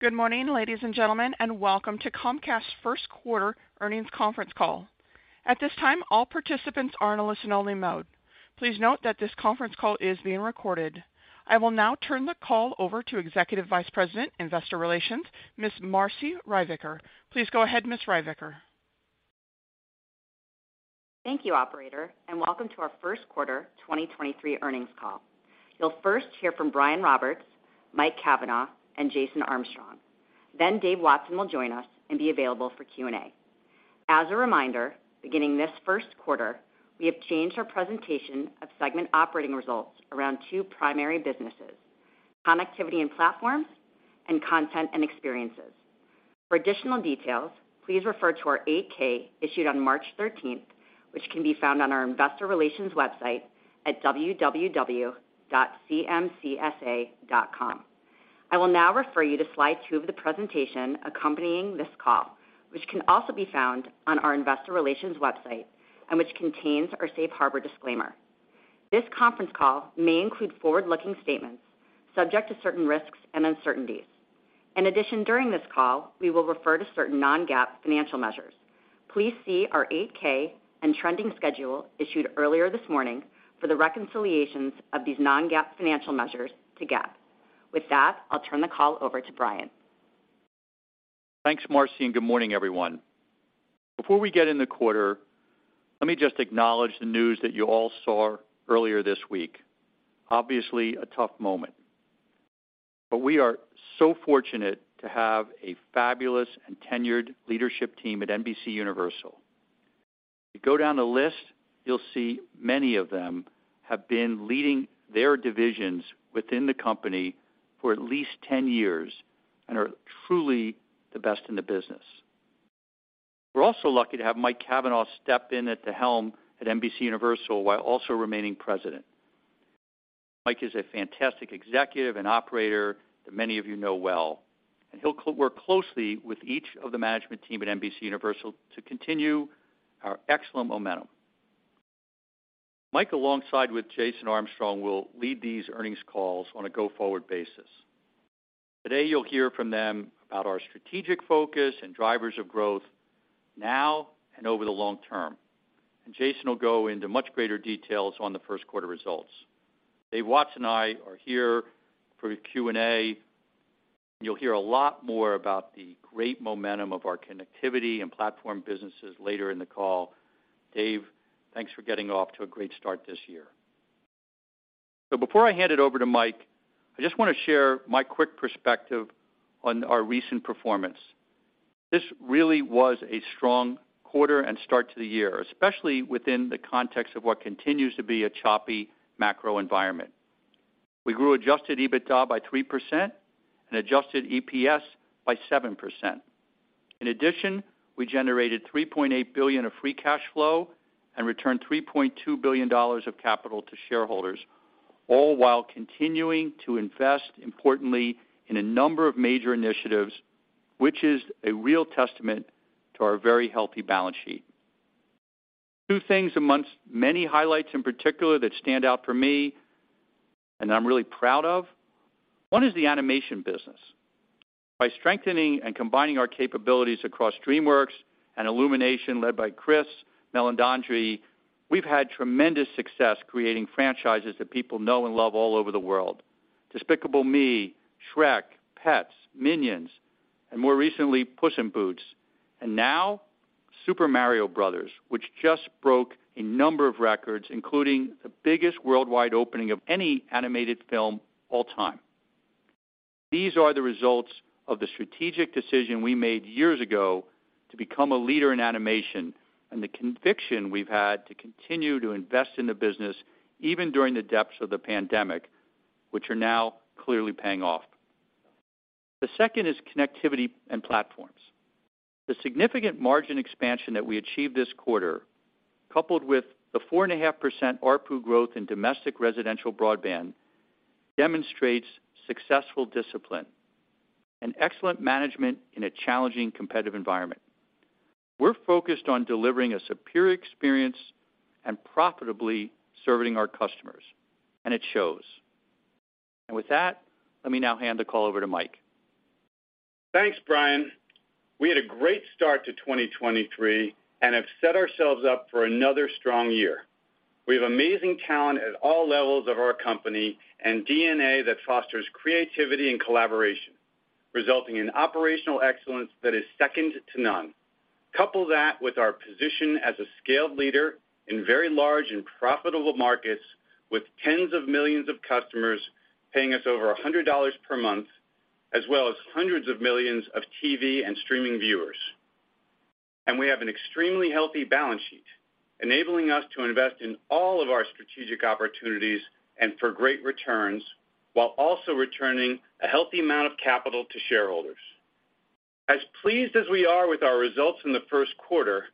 Good morning, ladies and gentlemen, and welcome to Comcast's First Quarter Earnings Conference Call. At this time, all participants are in a listen-only mode. Please note that this conference call is being recorded. I will now turn the call over to Executive Vice President, Investor Relations, Ms. Marci Ryvicker. Please go ahead, Ms. Ryvicker. Thank you, operator, and welcome to our First Quarter 2023 Earnings Call. You'll first hear from Brian Roberts, Mike Cavanagh, and Jason Armstrong. Dave Watson will join us and be available for Q&A. As a reminder, beginning this first quarter, we have changed our presentation of segment operating results around two primary businesses: connectivity and platforms and content and experiences. For additional details, please refer to our 8-K issued on 13th March, which can be found on our investor relations website at www.cmcsa.com. I will now refer you to slide two of the presentation accompanying this call, which can also be found on our investor relations website and which contains our safe harbor disclaimer. This conference call may include forward-looking statements subject to certain risks and uncertainties. In addition, during this call, we will refer to certain non-GAAP financial measures. Please see our 8-K and trending schedule issued earlier this morning for the reconciliations of these non-GAAP financial measures to GAAP. With that, I'll turn the call over to Brian. Thanks, Marci. Good morning, everyone. Before we get in the quarter, let me just acknowledge the news that you all saw earlier this week. Obviously a tough moment. We are so fortunate to have a fabulous and tenured leadership team at NBCUniversal. If you go down the list, you'll see many of them have been leading their divisions within the company for at least 10 years and are truly the best in the business. We're also lucky to have Mike Cavanagh step in at the helm at NBCUniversal while also remaining president. Mike is a fantastic executive and operator that many of you know well. He'll work closely with each of the management team at NBCUniversal to continue our excellent momentum. Mike, alongside with Jason Armstrong, will lead these earnings calls on a go-forward basis. Today, you'll hear from them about our strategic focus and drivers of growth now and over the long term. Jason will go into much greater details on the 1st quarter results. Dave Watson and I are here for Q&A. You'll hear a lot more about the great momentum of our connectivity and platform businesses later in the call. Dave, thanks for getting off to a great start this year. Before I hand it over to Mike, I just want to share my quick perspective on our recent performance. This really was a strong quarter and start to the year, especially within the context of what continues to be a choppy macro environment. We grew adjusted EBITDA by 3% and adjusted EPS by 7%. In addition, we generated $3.8 billion of free cash flow and returned $3.2 billion of capital to shareholders, all while continuing to invest, importantly, in a number of major initiatives, which is a real testament to our very healthy balance sheet. Two things amongst many highlights in particular that stand out for me, and I'm really proud of. One is the animation business. By strengthening and combining our capabilities across DreamWorks and Illumination, led by Chris Meledandri, we've had tremendous success creating franchises that people know and love all over the world. Despicable Me, Shrek, Pets, Minions, and more recently, Puss in Boots. Now Super Mario Bros. Which just broke a number of records, including the biggest worldwide opening of any animated film all time. These are the results of the strategic decision we made years ago to become a leader in animation and the conviction we've had to continue to invest in the business, even during the depths of the pandemic, which are now clearly paying off. The second is connectivity and platforms. The significant margin expansion that we achieved this quarter, coupled with the 4.5% ARPU growth in domestic residential broadband, demonstrates successful discipline and excellent management in a challenging competitive environment. We're focused on delivering a superior experience and profitably serving our customers, and it shows. With that, let me now hand the call over to Mike. Thanks, Brian. We had a great start to 2023 and have set ourselves up for another strong year. We have amazing talent at all levels of our company and DNA that fosters creativity and collaboration, resulting in operational excellence that is second to none. Couple that with our position as a scaled leader in very large and profitable markets with tens of millions of customers paying us over $100 per month, as well as hundreds of millions of TV and streaming viewers. We have an extremely healthy balance sheet, enabling us to invest in all of our strategic opportunities and for great returns, while also returning a healthy amount of capital to shareholders. As pleased as we are with our results in the first quarter,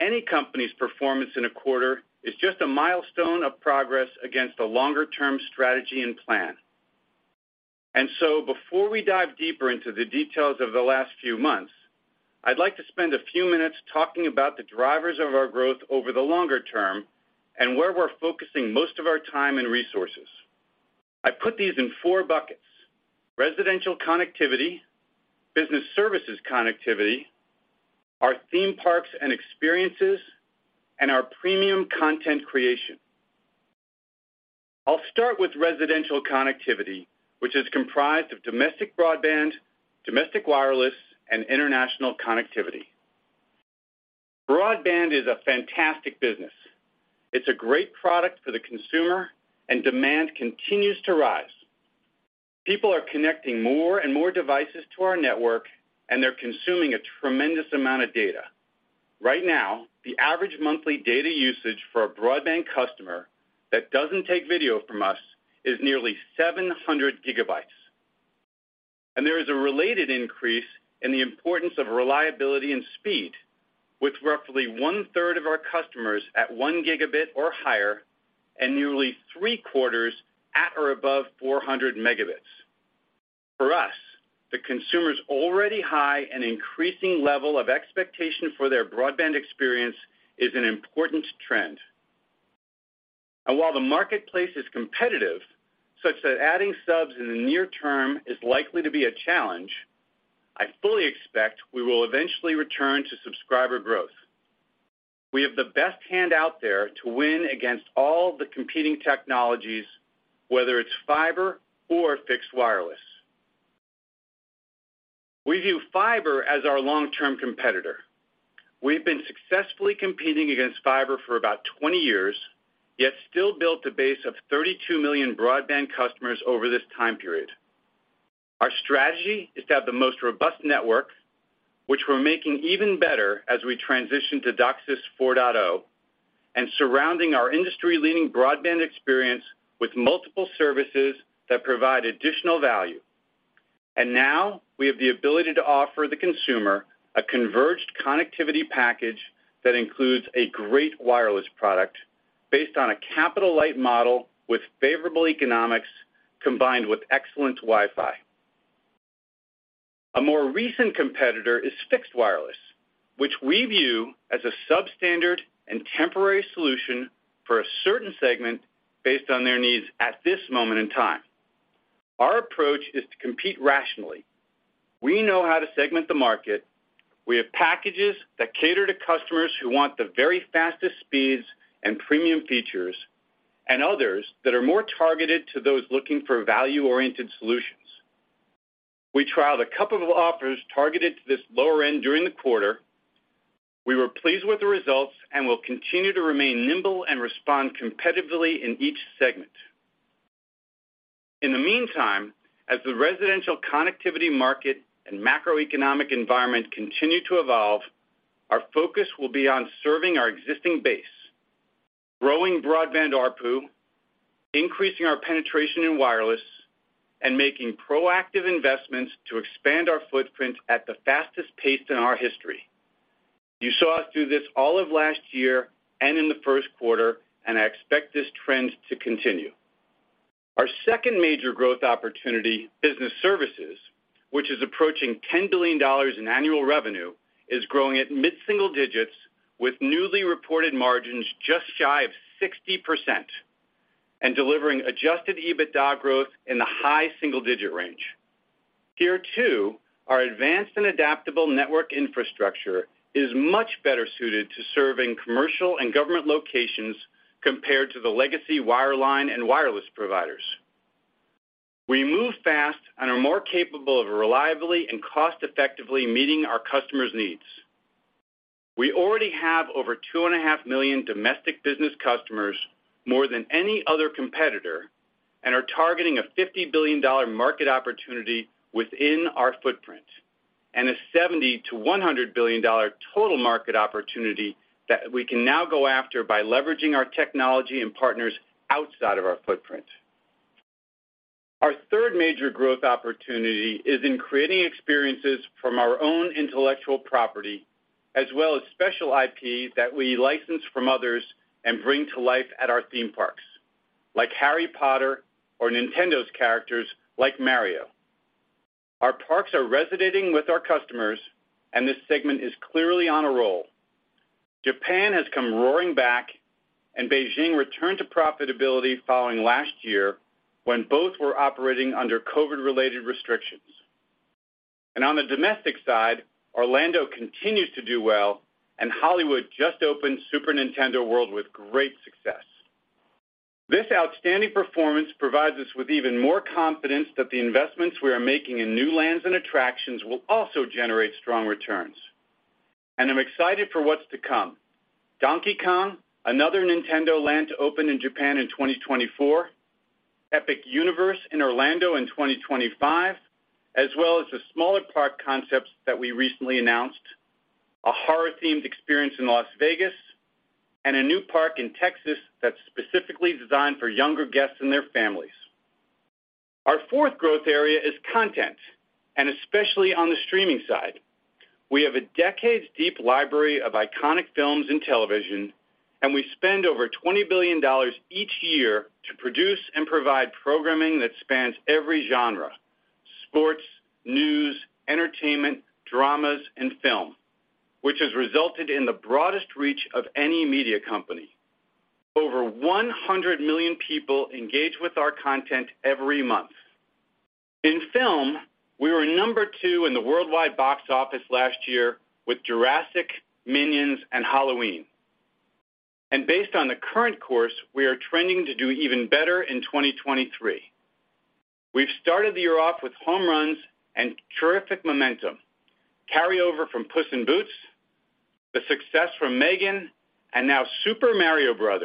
any company's performance in a quarter is just a milestone of progress against a longer-term strategy and plan. Before we dive deeper into the details of the last few months, I'd like to spend a few minutes talking about the drivers of our growth over the longer term and where we're focusing most of our time and resources. I put these in four buckets: residential connectivity, business services connectivity, our theme parks and experiences, and our premium content creation. I'll start with residential connectivity, which is comprised of domestic broadband, domestic wireless, and international connectivity. Broadband is a fantastic business. It's a great product for the consumer, and demand continues to rise. People are connecting more and more devices to our network, and they're consuming a tremendous amount of data. Right now, the average monthly data usage for a broadband customer that doesn't take video from us is nearly 700 GB. There is a related increase in the importance of reliability and speed with roughly one-third of our customers at 1 Gb or higher and nearly three-quarters at or above 400 Mb. For us, the consumer's already high and increasing level of expectation for their broadband experience is an important trend. While the marketplace is competitive, such that adding subs in the near term is likely to be a challenge, I fully expect we will eventually return to subscriber growth. We have the best hand out there to win against all the competing technologies, whether it's fiber or fixed wireless. We view fiber as our long-term competitor. We've been successfully competing against fiber for about 20 years, yet still built a base of 32 million broadband customers over this time period. Our strategy is to have the most robust network, which we're making even better as we transition to DOCSIS 4.0, and surrounding our industry-leading broadband experience with multiple services that provide additional value. Now we have the ability to offer the consumer a converged connectivity package that includes a great wireless product based on a capital-light model with favorable economics combined with excellent WiFi. A more recent competitor is fixed wireless, which we view as a substandard and temporary solution for a certain segment based on their needs at this moment in time. Our approach is to compete rationally. We know how to segment the market. We have packages that cater to customers who want the very fastest speeds and premium features, and others that are more targeted to those looking for value-oriented solutions. We trialed a couple of offers targeted to this lower end during the quarter. We were pleased with the results and will continue to remain nimble and respond competitively in each segment. In the meantime, as the residential connectivity market and macroeconomic environment continue to evolve, our focus will be on serving our existing base, growing broadband ARPU, increasing our penetration in wireless, and making proactive investments to expand our footprint at the fastest pace in our history. You saw us through this all of last year and in the first quarter. I expect this trend to continue. Our second major growth opportunity, business services, which is approaching $10 billion in annual revenue, is growing at mid-single digits with newly reported margins just shy of 60% and delivering adjusted EBITDA growth in the high single-digit range. Here too, our advanced and adaptable network infrastructure is much better suited to serving commercial and government locations compared to the legacy wireline and wireless providers. We move fast and are more capable of reliably and cost-effectively meeting our customers' needs. We already have over 2.5 million domestic business customers, more than any other competitor, and are targeting a $50 billion market opportunity within our footprint and a $70 billion-$100 billion total market opportunity that we can now go after by leveraging our technology and partners outside of our footprint. Our third major growth opportunity is in creating experiences from our own intellectual property as well as special IP that we license from others and bring to life at our theme parks, like Harry Potter or Nintendo's characters like Mario. Our parks are resonating with our customers, and this segment is clearly on a roll. Japan has come roaring back, and Beijing returned to profitability following last year when both were operating under COVID-related restrictions. On the domestic side, Orlando continues to do well, and Hollywood just opened Super Nintendo World with great success. This outstanding performance provides us with even more confidence that the investments we are making in new lands and attractions will also generate strong returns. I'm excited for what's to come. Donkey Kong, another Nintendo land to open in Japan in 2024, Epic Universe in Orlando in 2025, as well as the smaller park concepts that we recently announced, a horror-themed experience in Las Vegas and a new park in Texas that's specifically designed for younger guests and their families. Our fourth growth area is content, and especially on the streaming side. We have a decades-deep library of iconic films and television, and we spend over $20 billion each year to produce and provide programming that spans every genre: sports, news, entertainment, dramas, and film, which has resulted in the broadest reach of any media company. Over 100 million people engage with our content every month. In film, we were number two in the worldwide box office last year with Jurassic, Minions, and Halloween. Based on the current course, we are trending to do even better in 2023. We've started the year off with home runs and terrific momentum, carryover from Puss in Boots, the success from M3GAN, and now Super Mario Bros.,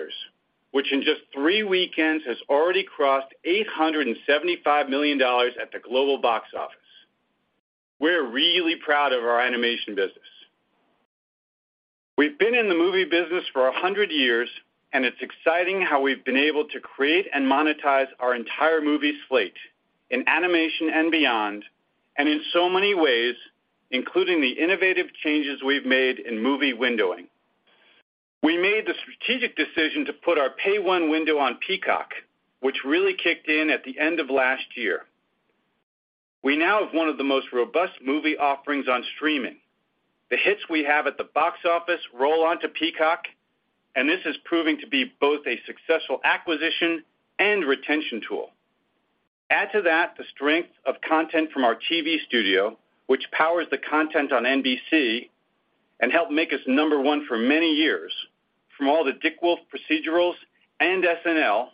which in just three weekends has already crossed $875 million at the global box office. We're really proud of our animation business. We've been in the movie business for 100 years, and it's exciting how we've been able to create and monetize our entire movie slate in animation and beyond, and in so many ways, including the innovative changes we've made in movie windowing. We made the strategic decision to put our pay one window on Peacock, which really kicked in at the end of last year. We now have one of the most robust movie offerings on streaming. The hits we have at the box office roll on to Peacock, and this is proving to be both a successful acquisition and retention tool. Add to that the strength of content from our TV studio, which powers the content on NBC and helped make us number one for many years from all the [inaudible] Wolf procedurals and SNL,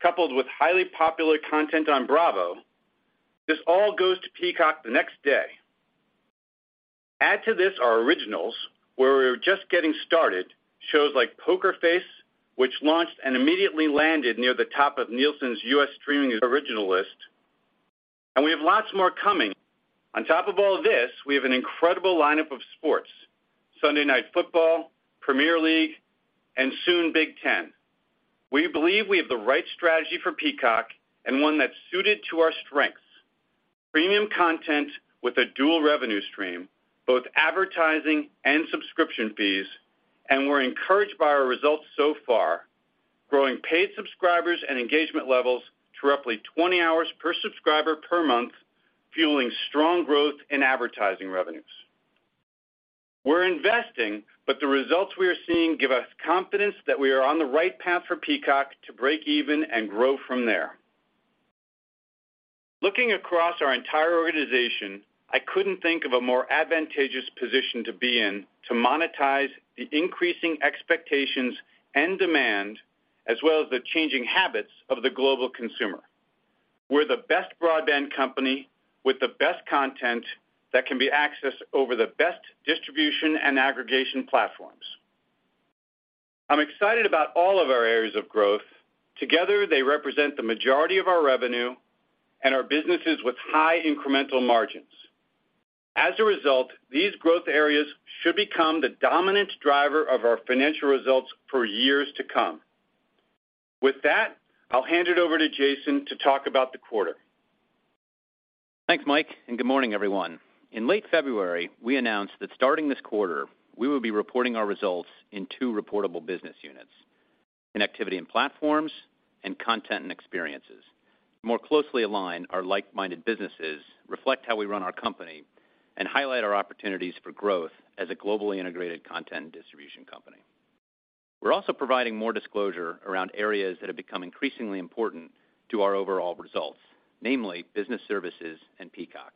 coupled with highly popular content on Bravo, this all goes to Peacock the next day. Add to this our originals, where we're just getting started, shows like Poker Face, which launched and immediately landed near the top of Nielsen's U.S. streaming original list, and we have lots more coming. On top of all this, we have an incredible lineup of sports, Sunday Night Football, Premier League, and soon Big Ten. We believe we have the right strategy for Peacock and one that's suited to our strengths. Premium content with a dual revenue stream, both advertising and subscription fees. We're encouraged by our results so far, growing paid subscribers and engagement levels to roughly 20 hours per subscriber per month, fueling strong growth in advertising revenues. We're investing. The results we are seeing give us confidence that we are on the right path for Peacock to break even and grow from there. Looking across our entire organization, I couldn't think of a more advantageous position to be in to monetize the increasing expectations and demand, as well as the changing habits of the global consumer. We're the best broadband company with the best content that can be accessed over the best distribution and aggregation platforms. I'm excited about all of our areas of growth. Together, they represent the majority of our revenue and our businesses with high incremental margins. As a result, these growth areas should become the dominant driver of our financial results for years to come. With that, I'll hand it over to Jason to talk about the quarter. Thanks, Mike. Good morning, everyone. In late February, we announced that starting this quarter, we will be reporting our results in two reportable business units, connectivity and platforms and content and experiences, to more closely align our like-minded businesses, reflect how we run our company, and highlight our opportunities for growth as a globally integrated content and distribution company. We're also providing more disclosure around areas that have become increasingly important to our overall results, namely business services and Peacock.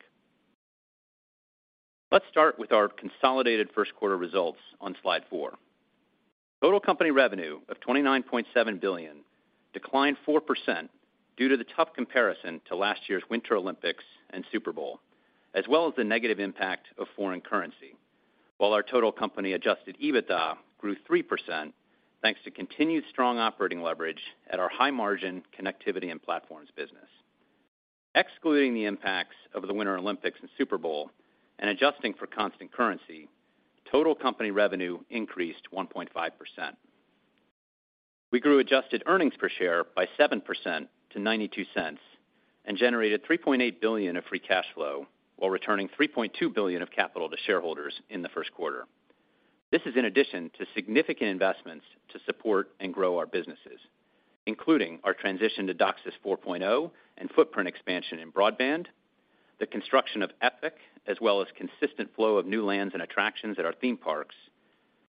Let's start with our consolidated first quarter results on slide four. Total company revenue of $29.7 billion declined 4% due to the tough comparison to last year's Winter Olympics and Super Bowl, as well as the negative impact of foreign currency. Our total company adjusted EBITDA grew 3%, thanks to continued strong operating leverage at our high-margin connectivity and platforms business. Excluding the impacts of the Winter Olympics and Super Bowl and adjusting for constant currency, total company revenue increased 1.5%. We grew adjusted earnings per share by 7% to $0.92 and generated $3.8 billion of free cash flow while returning $3.2 billion of capital to shareholders in the first quarter. This is in addition to significant investments to support and grow our businesses, including our transition to DOCSIS 4.0 and footprint expansion in broadband, the construction of Epic, as well as consistent flow of new lands and attractions at our theme parks,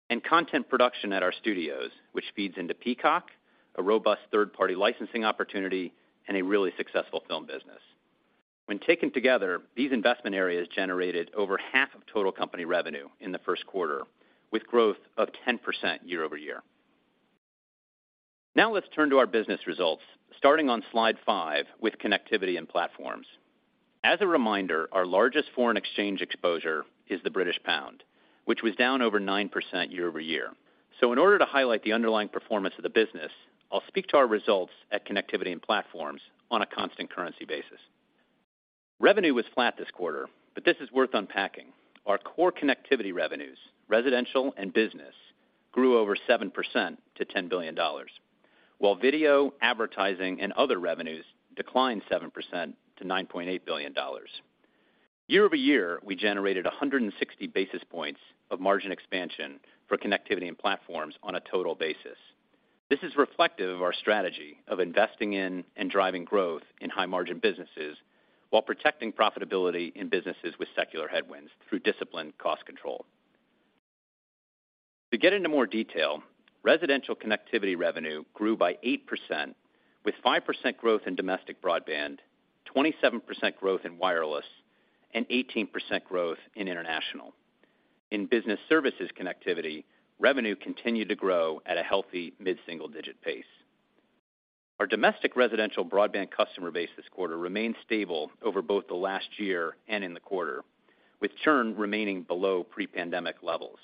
and content production at our studios, which feeds into Peacock, a robust third-party licensing opportunity, and a really successful film business. When taken together, these investment areas generated over half of total company revenue in the first quarter, with growth of 10% year-over-year. Now let's turn to our business results, starting on slide five with connectivity and platforms. As a reminder, our largest foreign exchange exposure is the British pound, which was down over 9% year-over-year. In order to highlight the underlying performance of the business, I'll speak to our results at connectivity and platforms on a constant currency basis. Revenue was flat this quarter, but this is worth unpacking. Our core connectivity revenues, residential and business, grew over 7% to $10 billion, while video advertising and other revenues declined 7% to $9.8 billion. Year-over-year, we generated 160 basis points of margin expansion for connectivity and platforms on a total basis. This is reflective of our strategy of investing in and driving growth in high margin businesses while protecting profitability in businesses with secular headwinds through disciplined cost control. To get into more detail, residential connectivity revenue grew by 8% with 5% growth in domestic broadband, 27% growth in wireless, and 18% growth in international. In business services connectivity, revenue continued to grow at a healthy mid-single-digit pace. Our domestic residential broadband customer base this quarter remained stable over both the last year and in the quarter, with churn remaining below pre-pandemic levels.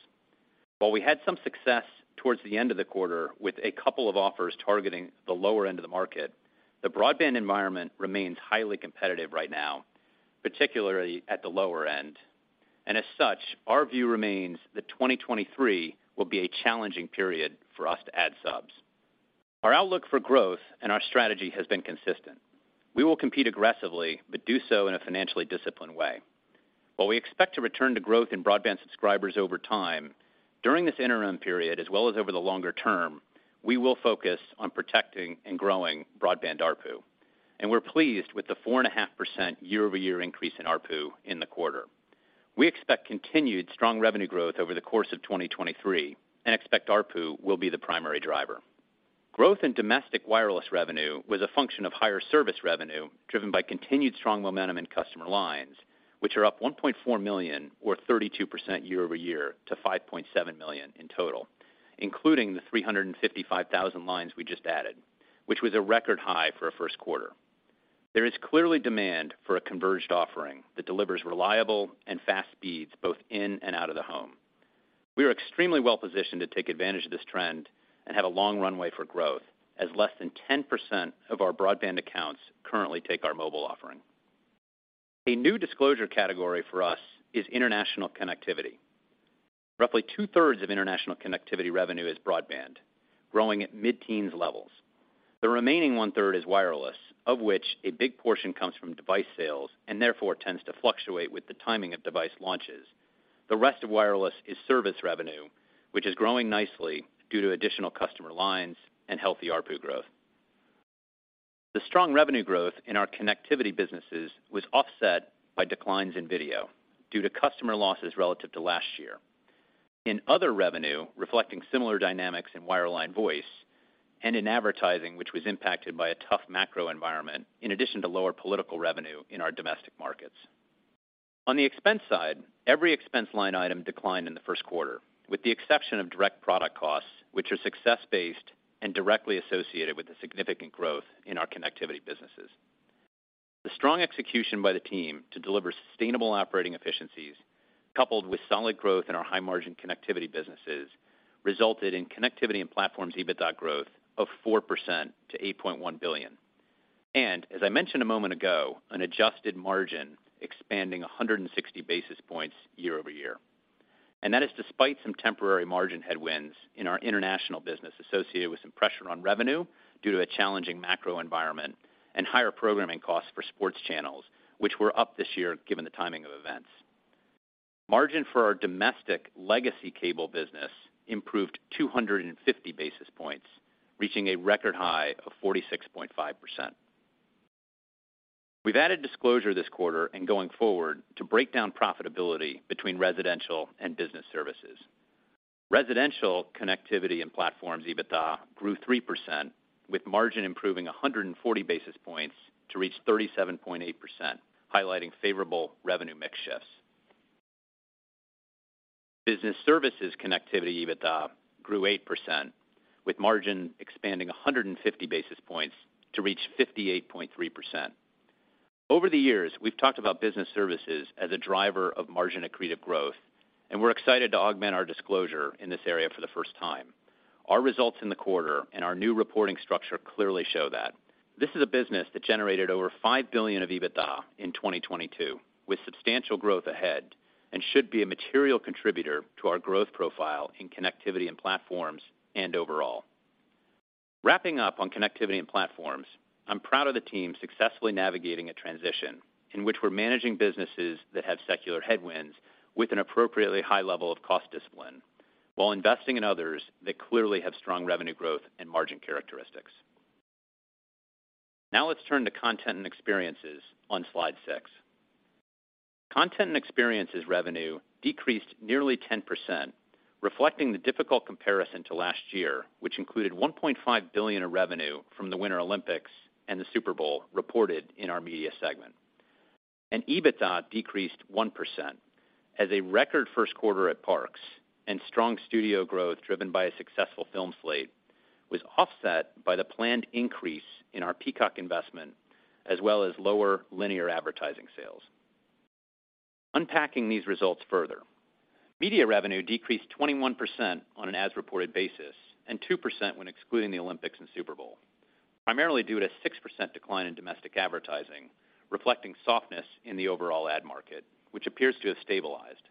While we had some success towards the end of the quarter with a couple of offers targeting the lower end of the market, the broadband environment remains highly competitive right now, particularly at the lower end. As such, our view remains that 2023 will be a challenging period for us to add subs. Our outlook for growth and our strategy has been consistent. We will compete aggressively, but do so in a financially disciplined way. While we expect to return to growth in broadband subscribers over time, during this interim period, as well as over the longer term, we will focus on protecting and growing broadband ARPU. We're pleased with the 4.5% year-over-year increase in ARPU in the quarter. We expect continued strong revenue growth over the course of 2023, expect ARPU will be the primary driver. Growth in domestic wireless revenue was a function of higher service revenue, driven by continued strong momentum in customer lines, which are up 1.4 million or 32% year-over-year to 5.7 million in total, including the 355,000 lines we just added, which was a record high for a first quarter. There is clearly demand for a converged offering that delivers reliable and fast speeds both in and out of the home. We are extremely well-positioned to take advantage of this trend and have a long runway for growth as less than 10% of our broadband accounts currently take our mobile offering. A new disclosure category for us is international connectivity. Roughly two-thirds of international connectivity revenue is broadband, growing at mid-teens levels. The remaining one-third is wireless, of which a big portion comes from device sales and therefore tends to fluctuate with the timing of device launches. The rest of wireless is service revenue, which is growing nicely due to additional customer lines and healthy ARPU growth. The strong revenue growth in our connectivity businesses was offset by declines in video due to customer losses relative to last year. In other revenue, reflecting similar dynamics in wireline voice and in advertising, which was impacted by a tough macro environment in addition to lower political revenue in our domestic markets. On the expense side, every expense line item declined in the first quarter, with the exception of direct product costs, which are success-based and directly associated with the significant growth in our connectivity businesses. The strong execution by the team to deliver sustainable operating efficiencies coupled with solid growth in our high margin connectivity businesses, resulted in connectivity and platforms EBITDA growth of 4% to $8.1 billion. As I mentioned a moment ago, an adjusted margin expanding 160 basis points year-over-year. That is despite some temporary margin headwinds in our international business associated with some pressure on revenue due to a challenging macro environment and higher programming costs for sports channels, which were up this year given the timing of events. Margin for our domestic legacy cable business improved 250 basis points, reaching a record high of 46.5%. We've added disclosure this quarter and going forward to break down profitability between residential and business services. Residential connectivity and platforms EBITDA grew 3%, with margin improving 140 basis points to reach 37.8%, highlighting favorable revenue mix shifts. Business services connectivity EBITDA grew 8%, with margin expanding 150 basis points to reach 58.3%. Over the years, we've talked about business services as a driver of margin accretive growth, and we're excited to augment our disclosure in this area for the first time. Our results in the quarter and our new reporting structure clearly show that. This is a business that generated over $5 billion of EBITDA in 2022 with substantial growth ahead and should be a material contributor to our growth profile in connectivity and platforms and overall. Wrapping up on connectivity and platforms, I'm proud of the team successfully navigating a transition in which we're managing businesses that have secular headwinds with an appropriately high level of cost discipline while investing in others that clearly have strong revenue growth and margin characteristics. Let's turn to content and experiences on slide six. Content and experiences revenue decreased nearly 10%, reflecting the difficult comparison to last year, which included $1.5 billion of revenue from the Winter Olympics and the Super Bowl reported in our media segment. EBITDA decreased 1% as a record first quarter at Parks and strong studio growth driven by a successful film slate was offset by the planned increase in our Peacock investment as well as lower linear advertising sales. Unpacking these results further. Media revenue decreased 21% on an as-reported basis and 2% when excluding the Olympics and Super Bowl, primarily due to 6% decline in domestic advertising, reflecting softness in the overall ad market, which appears to have stabilized,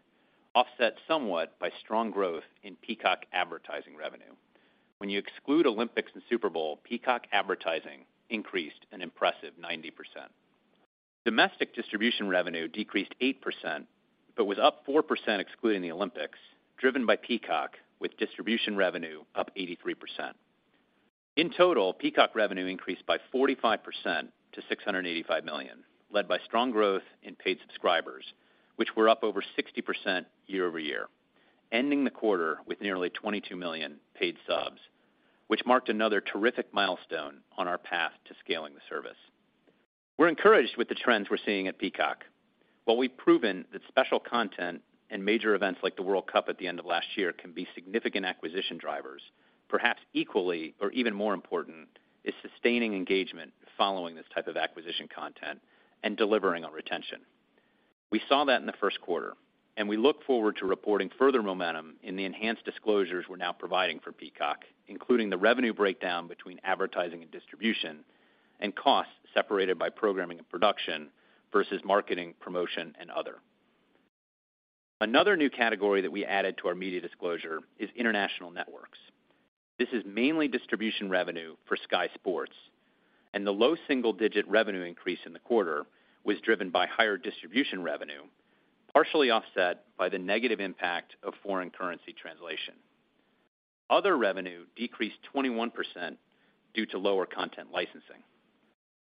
offset somewhat by strong growth in Peacock advertising revenue. When you exclude Olympics and Super Bowl, Peacock advertising increased an impressive 90%. Domestic distribution revenue decreased 8%, but was up 4% excluding the Olympics, driven by Peacock, with distribution revenue up 83%. In total, Peacock revenue increased by 45% to $685 million, led by strong growth in paid subscribers, which were up over 60% year-over-year, ending the quarter with nearly 22 million paid subs, which marked another terrific milestone on our path to scaling the service. We're encouraged with the trends we're seeing at Peacock. While we've proven that special content and major events like the World Cup at the end of last year can be significant acquisition drivers, perhaps equally or even more important is sustaining engagement following this type of acquisition content and delivering on retention. We saw that in the first quarter, we look forward to reporting further momentum in the enhanced disclosures we're now providing for Peacock, including the revenue breakdown between advertising and distribution and costs separated by programming and production versus marketing, promotion, and other. Another new category that we added to our media disclosure is international networks. This is mainly distribution revenue for Sky Sports, the low single-digit revenue increase in the quarter was driven by higher distribution revenue, partially offset by the negative impact of foreign currency translation. Other revenue decreased 21% due to lower content licensing.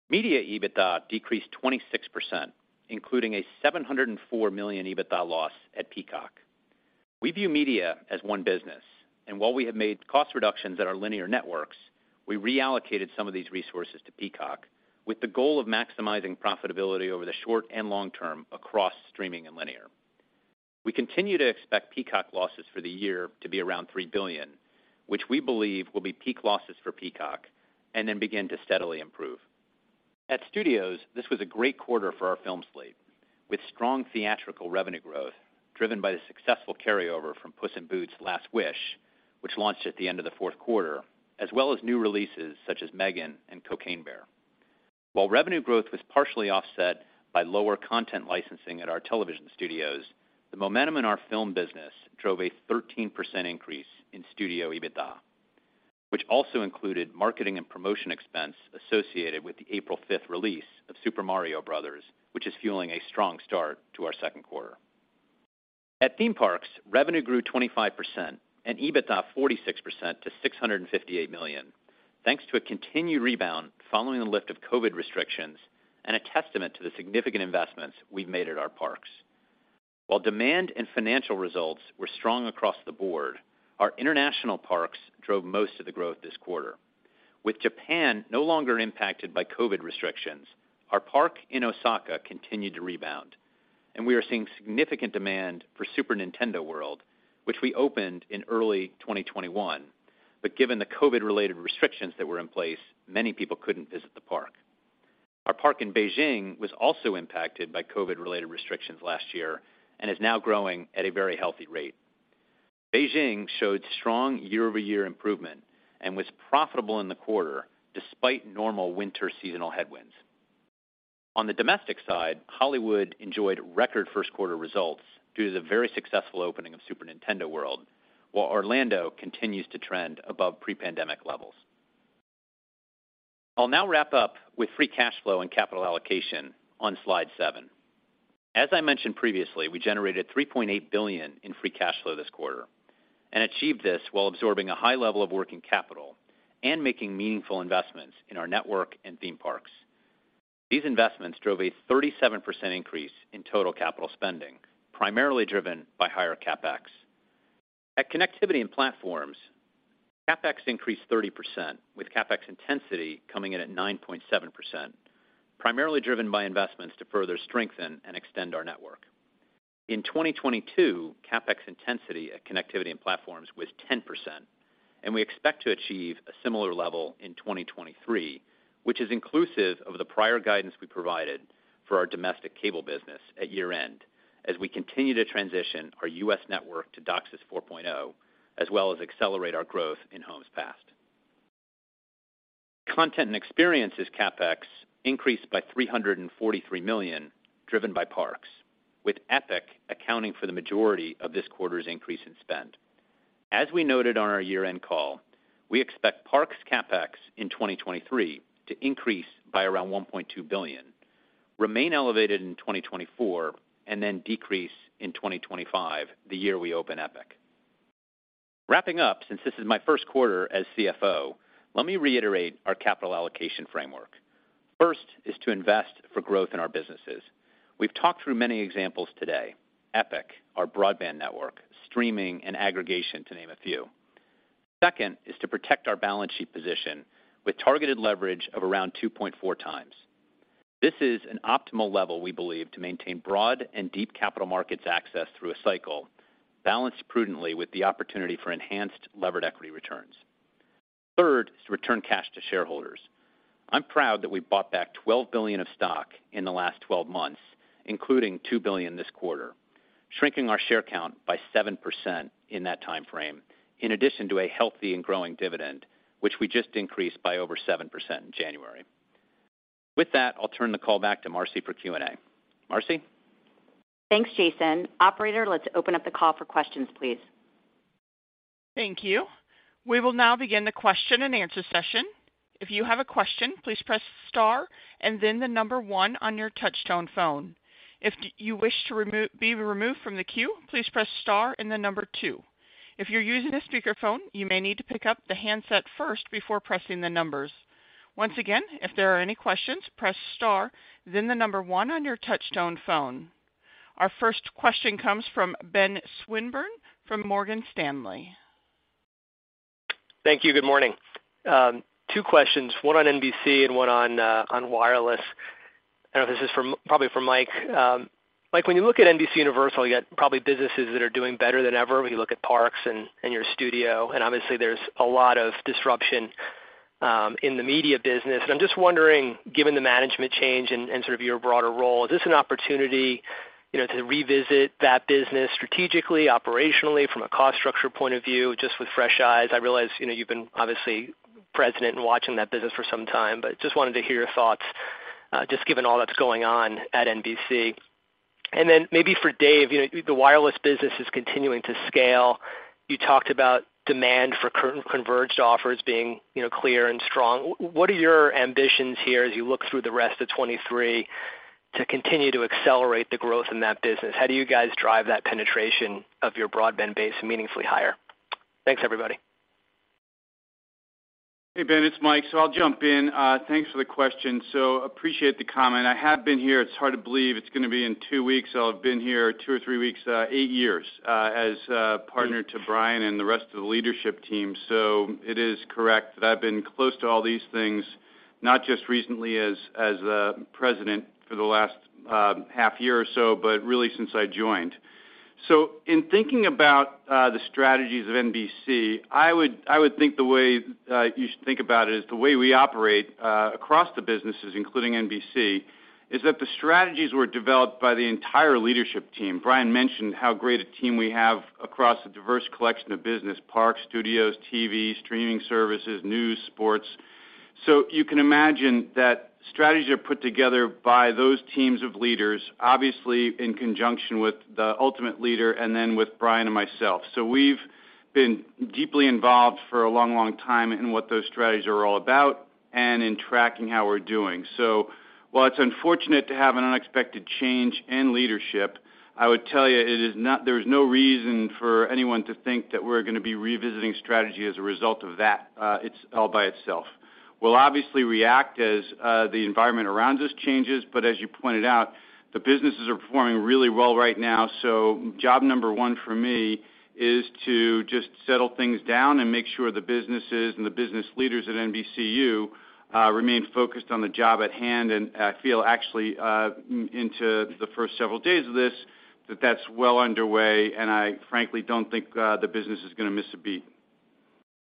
Media EBITDA decreased 26%, including a $704 million EBITDA loss at Peacock. We view Media as one business, while we have made cost reductions at our linear networks, we reallocated some of these resources to Peacock with the goal of maximizing profitability over the short and long term across streaming and linear. We continue to expect Peacock losses for the year to be around $3 billion, which we believe will be peak losses for Peacock begin to steadily improve. At Studios, this was a great quarter for our film slate with strong theatrical revenue growth driven by the successful carryover from Puss in Boots: The Last Wish, which launched at the end of the fourth quarter, as well as new releases such as M3GAN and Cocaine Bear. While revenue growth was partially offset by lower content licensing at our television studios, the momentum in our film business drove a 13% increase in studio EBITDA, which also included marketing and promotion expense associated with the April fifth release of Super Mario Bros., which is fueling a strong start to our second quarter. At Theme Parks, revenue grew 25% and EBITDA 46% to $658 million, thanks to a continued rebound following the lift of COVID restrictions and a testament to the significant investments we've made at our parks. While demand and financial results were strong across the board, our international parks drove most of the growth this quarter. With Japan no longer impacted by COVID restrictions, our park in Osaka continued to rebound, and we are seeing significant demand for Super Nintendo World, which we opened in early 2021. Given the COVID-related restrictions that were in place, many people couldn't visit the park. Our park in Beijing was also impacted by COVID-related restrictions last year and is now growing at a very healthy rate. Beijing showed strong year-over-year improvement and was profitable in the quarter despite normal winter seasonal headwinds. On the domestic side, Hollywood enjoyed record first quarter results due to the very successful opening of Super Nintendo World, while Orlando continues to trend above pre-pandemic levels. I'll now wrap up with free cash flow and capital allocation on slide seven. As I mentioned previously, we generated $3.8 billion in free cash flow this quarter and achieved this while absorbing a high level of working capital and making meaningful investments in our network and theme parks. These investments drove a 37% increase in total capital spending, primarily driven by higher CapEx. At Connectivity and Platforms, CapEx increased 30%, with CapEx intensity coming in at 9.7%, primarily driven by investments to further strengthen and extend our network. In 2022, CapEx intensity at Connectivity and Platforms was 10%, and we expect to achieve a similar level in 2023, which is inclusive of the prior guidance we provided for our domestic cable business at year-end as we continue to transition our U.S. network to DOCSIS 4.0, as well as accelerate our growth in homes passed. Content and Experiences CapEx increased by $343 million, driven by parks, with Epic accounting for the majority of this quarter's increase in spend. As we noted on our year-end call, we expect parks CapEx in 2023 to increase by around $1.2 billion, remain elevated in 2024, and then decrease in 2025, the year we open Epic. Wrapping up, since this is my first quarter as CFO, let me reiterate our capital allocation framework. First is to invest for growth in our businesses. We've talked through many examples today: Epic, our broadband network, streaming, and aggregation, to name a few. Second is to protect our balance sheet position with targeted leverage of around 2.4 times. This is an optimal level, we believe, to maintain broad and deep capital markets access through a cycle balanced prudently with the opportunity for enhanced levered equity returns. Third is to return cash to shareholders. I'm proud that we bought back $12 billion of stock in the last 12 months, including $2 billion this quarter, shrinking our share count by 7% in that timeframe, in addition to a healthy and growing dividend, which we just increased by over 7% in January. With that, I'll turn the call back to Marci for Q&A. Marci? Thanks, Jason. Operator, let's open up the call for questions, please. Thank you. We will now begin the question-and-answer session. If you have a question, please press star and then one on your touchtone phone. If you wish to be removed from the queue, please press star and two. If you're using a speakerphone, you may need to pick up the handset first before pressing the numbers. Once again, if there are any questions, press star, then one on your touchtone phone. Our first question comes from Ben Swinburne from Morgan Stanley. Thank you. Good morning. Two questions, one on NBC and one on wireless. I know this is probably for Mike. Mike, when you look at NBCUniversal, you got probably businesses that are doing better than ever when you look at parks and your studio, and obviously there's a lot of disruption in the media business. I'm just wondering, given the management change and sort of your broader role, is this an opportunity, you know, to revisit that business strategically, operationally from a cost structure point of view, just with fresh eyes? I realize, you know, you've been obviously president and watching that business for some time, but just wanted to hear your thoughts, just given all that's going on at NBC. Then maybe for Dave, you know, the wireless business is continuing to scale. You talked about demand for current converged offers being, you know, clear and strong. What are your ambitions here as you look through the rest of 2023 to continue to accelerate the growth in that business? How do you guys drive that penetration of your broadband base meaningfully higher? Thanks, everybody. Hey, Ben. It's Mike, so I'll jump in. Thanks for the question. Appreciate the comment. I have been here. It's hard to believe it's gonna be in two weeks, so I've been here two or three weeks, eight years, as partner to Brian and the rest of the leadership team. It is correct that I've been close to all these things, not just recently as president for the last half year or so, but really since I joined. In thinking about the strategies of NBC, I would think the way you should think about it is the way we operate across the businesses, including NBC, is that the strategies were developed by the entire leadership team. Brian mentioned how great a team we have across a diverse collection of business, parks, studios, TV, streaming services, news, sports. You can imagine that strategies are put together by those teams of leaders, obviously in conjunction with the ultimate leader and then with Brian and myself. We've been deeply involved for a long, long time in what those strategies are all about and in tracking how we're doing. While it's unfortunate to have an unexpected change in leadership, I would tell you there is no reason for anyone to think that we're gonna be revisiting strategy as a result of that, it's all by itself. We'll obviously react as the environment around us changes, but as you pointed out, the businesses are performing really well right now. Job number one for me is to just settle things down and make sure the businesses and the business leaders at NBCU, remain focused on the job at hand. I feel actually, into the first several days of this, that that's well underway, and I frankly don't think, the business is gonna miss a beat.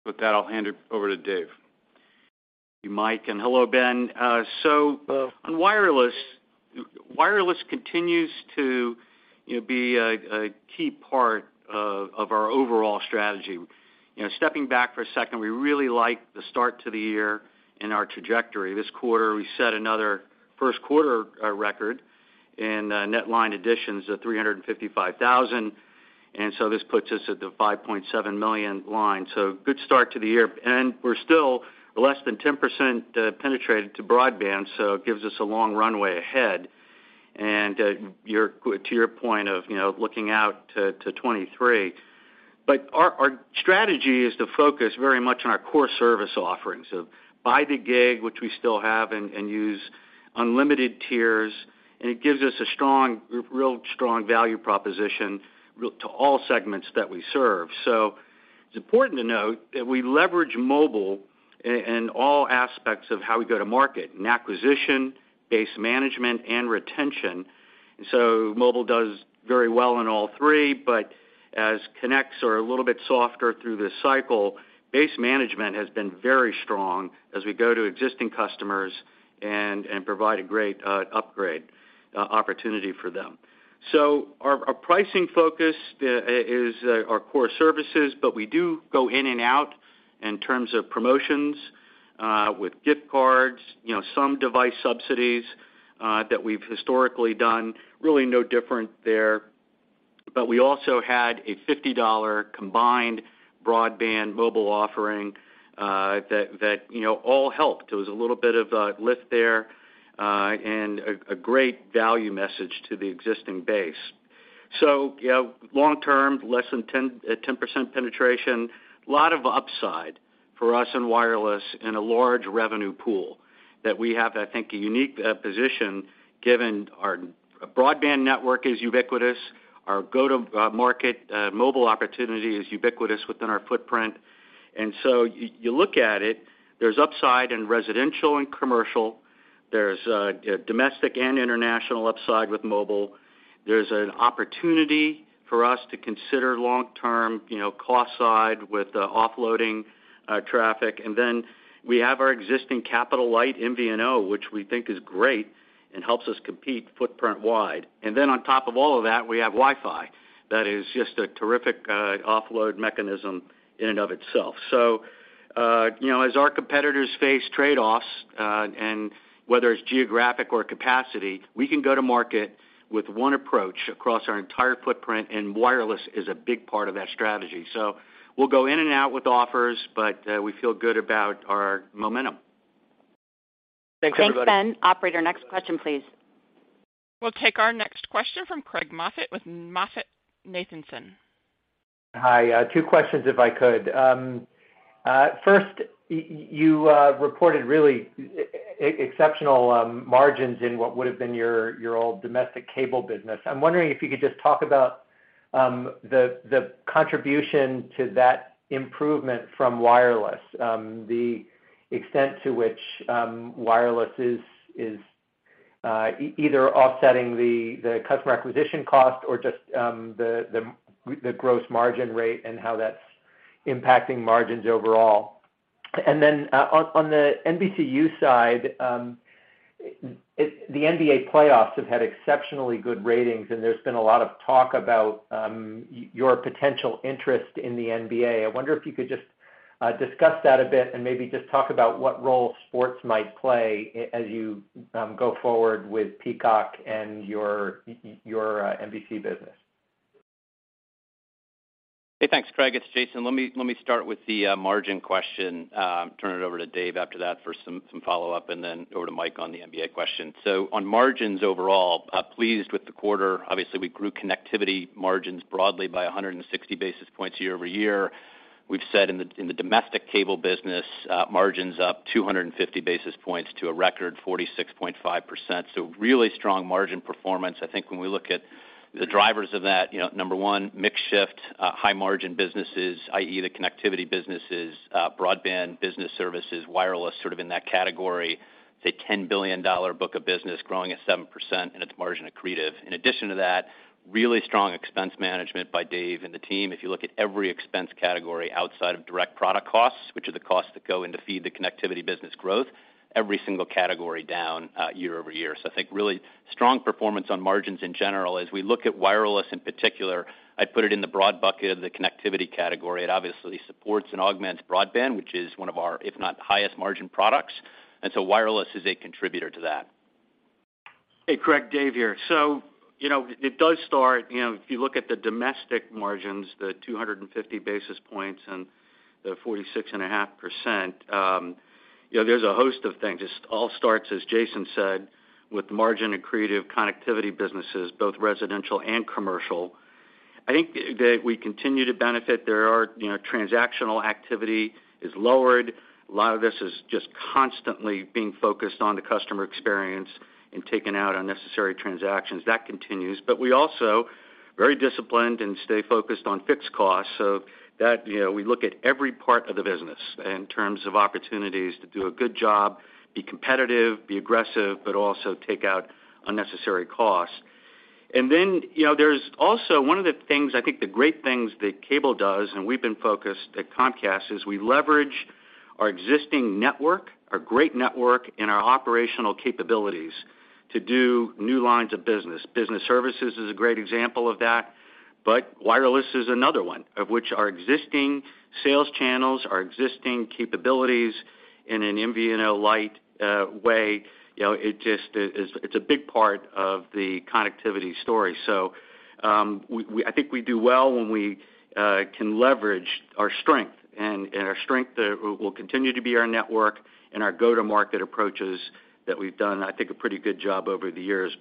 With that, I'll hand it over to Dave. Mike, hello, Ben. Hello. On wireless continues to, you know, be a key part of our overall strategy. You know, stepping back for a second, we really like the start to the year and our trajectory. This quarter, we set another first quarter record in net line additions of 355,000. This puts us at the 5.7 million line. Good start to the year. We're still less than 10% penetrated to broadband, so it gives us a long runway ahead. Your to your point of, you know, looking out to 2023. Our strategy is to focus very much on our core service offerings. By the gig, which we still have and use unlimited tiers, and it gives us a real strong value proposition to all segments that we serve. It's important to note that we leverage mobile in all aspects of how we go to market in acquisition, base management, and retention. Mobile does very well in all three. As connects are a little bit softer through this cycle, base management has been very strong as we go to existing customers and provide a great upgrade opportunity for them. Our pricing focus is our core services, but we do go in and out in terms of promotions with gift cards, you know, some device subsidies that we've historically done, really no different there. We also had a $50 combined broadband mobile offering that, you know, all helped. It was a little bit of a lift there and a great value message to the existing base. You know, long-term, at 10% penetration, a lot of upside for us in wireless in a large revenue pool that we have, I think, a unique position given our broadband network is ubiquitous. Our go to market mobile opportunity is ubiquitous within our footprint. You look at it, there's upside in residential and commercial. There's domestic and international upside with mobile. There's an opportunity for us to consider long-term, you know, cost side with offloading traffic. We have our existing capital light MVNO, which we think is great. Helps us compete footprint wide. Then on top of all of that, we have WiFi. That is just a terrific, offload mechanism in and of itself. You know, as our competitors face trade-offs, and whether it's geographic or capacity, we can go to market with one approach across our entire footprint, and wireless is a big part of that strategy. We'll go in and out with offers, but, we feel good about our momentum. Thanks, everybody. Thanks, Ben. Operator, next question, please. We'll take our next question from Craig Moffett with MoffettNathanson. Hi. Two questions, if I could. First, you reported really exceptional margins in what would have been your old domestic cable business. I'm wondering if you could just talk about the contribution to that improvement from wireless, the extent to which wireless is either offsetting the customer acquisition cost or just the gross margin rate and how that's impacting margins overall. Then on the NBCU side, the NBA playoffs have had exceptionally good ratings, and there's been a lot of talk about your potential interest in the NBA. I wonder if you could just discuss that a bit and maybe just talk about what role sports might play as you go forward with Peacock and your NBC business. Hey, thanks, Craig. It's Jason. Let me start with the margin question, turn it over to Dave after that for some follow-up, over to Mike on the NBA question. On margins overall, pleased with the quarter. Obviously, we grew connectivity margins broadly by 160 basis points year-over-year. We've said in the domestic cable business, margin's up 250 basis points to a record 46.5%. Really strong margin performance. I think when we look at the drivers of that, you know, number one, mix shift, high margin businesses, i.e., the connectivity businesses, broadband business services, wireless, sort of in that category. It's a $10 billion book of business growing at 7%, it's margin accretive. In addition to that, really strong expense management by Dave and the team. If you look at every expense category outside of direct product costs, which are the costs that go in to feed the connectivity business growth, every single category down year-over-year. I think really strong performance on margins in general. As we look at wireless, in particular, I put it in the broad bucket of the connectivity category. It obviously supports and augments broadband, which is one of our, if not the highest margin products. Wireless is a contributor to that. Hey, Craig, Dave here. you know, it does start, you know, if you look at the domestic margins, the 250 basis points and the 46.5%, you know, there's a host of things. This all starts, as Jason said, with margin accretive connectivity businesses, both residential and commercial. I think that we continue to benefit. There are, you know, transactional activity is lowered. A lot of this is just constantly being focused on the customer experience and taking out unnecessary transactions. That continues. We also very disciplined and stay focused on fixed costs. That, you know, we look at every part of the business in terms of opportunities to do a good job, be competitive, be aggressive, but also take out unnecessary costs. Then, you know, there's also one of the things, I think the great things that cable does, and we've been focused at Comcast, is we leverage our existing network, our great network, and our operational capabilities to do new lines of business. Business services is a great example of that, but wireless is another one of which our existing sales channels, our existing capabilities in an MVNO light, way, you know, it just is, it's a big part of the connectivity story. We I think we do well when we can leverage our strength, and our strength will continue to be our network and our go-to-market approaches that we've done, I think, a pretty good job over the years.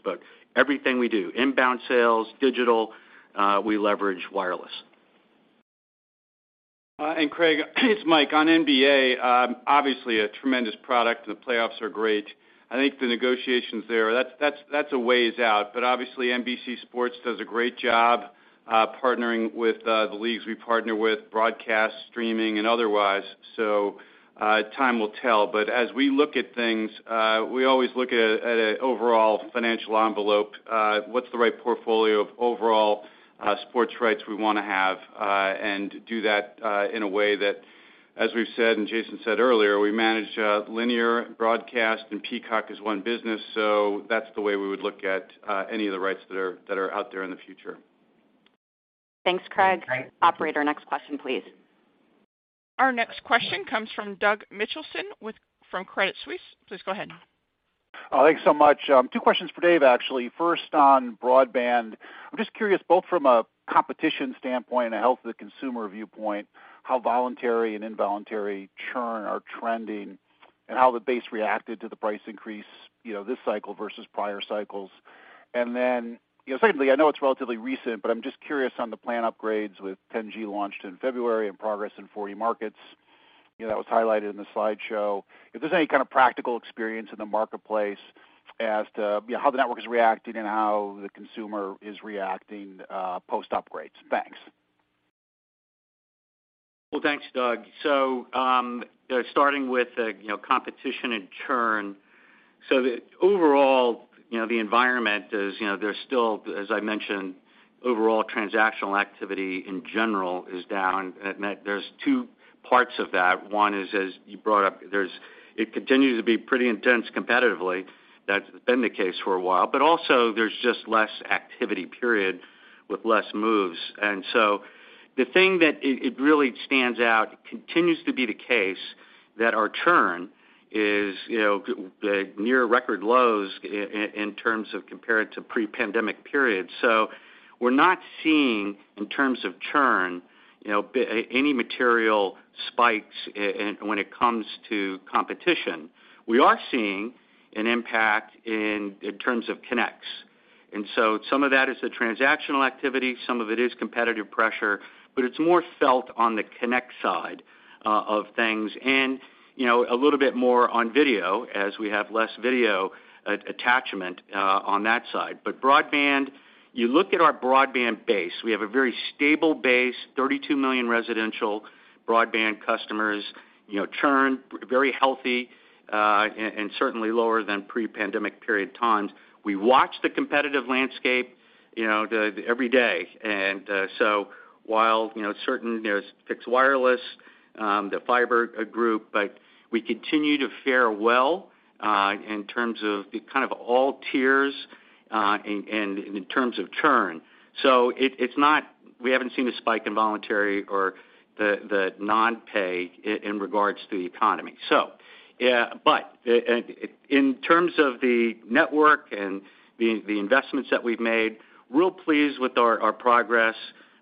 Everything we do, inbound sales, digital, we leverage wireless. And Craig, it's Mike. On NBA, obviously a tremendous product. The playoffs are great. I think the negotiations there, that's a ways out. Obviously, NBC Sports does a great job partnering with the leagues we partner with, broadcast, streaming, and otherwise. Time will tell. As we look at things, we always look at an overall financial envelope. What's the right portfolio of overall sports rights we wanna have and do that in a way that, as we've said and Jason said earlier, we manage linear broadcast and Peacock as one business. That's the way we would look at any of the rights that are out there in the future. Thanks, Craig. Operator, next question, please. Our next question comes from Doug Mitchelson from Credit Suisse. Please go ahead. Thanks so much. Two questions for Dave, actually. First, on broadband, I'm just curious, both from a competition standpoint and a health of the consumer viewpoint, how voluntary and involuntary churn are trending and how the base reacted to the price increase, you know, this cycle versus prior cycles. Secondly, I know it's relatively recent, but I'm just curious on the plan upgrades with 10G launched in February and progress in 40 markets, you know, that was highlighted in the slideshow. If there's any kind of practical experience in the marketplace as to, you know, how the network is reacting and how the consumer is reacting, post upgrades. Thanks. Thanks, Doug. Starting with, you know, competition and churn. Overall, you know, the environment is, you know, there's still, as I mentioned, overall transactional activity in general is down. There's two parts of that. One is, as you brought up, it continues to be pretty intense competitively. That's been the case for a while, but also there's just less activity period with less moves. The thing that it really stands out continues to be the case that our churn is, you know, near record lows in terms of compared to pre-pandemic periods. We're not seeing in terms of churn, you know, any material spikes when it comes to competition. We are seeing an impact in terms of connects. Some of that is the transactional activity, some of it is competitive pressure, but it's more felt on the connect side of things and, you know, a little bit more on video as we have less video attachment on that side. Broadband, you look at our broadband base, we have a very stable base, 32 million residential broadband customers, you know, churn, very healthy, and certainly lower than pre-pandemic period times. We watch the competitive landscape, you know, every day. While, you know, certain there's fixed wireless, the fiber group, but we continue to fare well in terms of the kind of all tiers and in terms of churn. It's not we haven't seen a spike in voluntary or the non-pay in regards to the economy. In terms of the network and the investments that we've made, real pleased with our progress.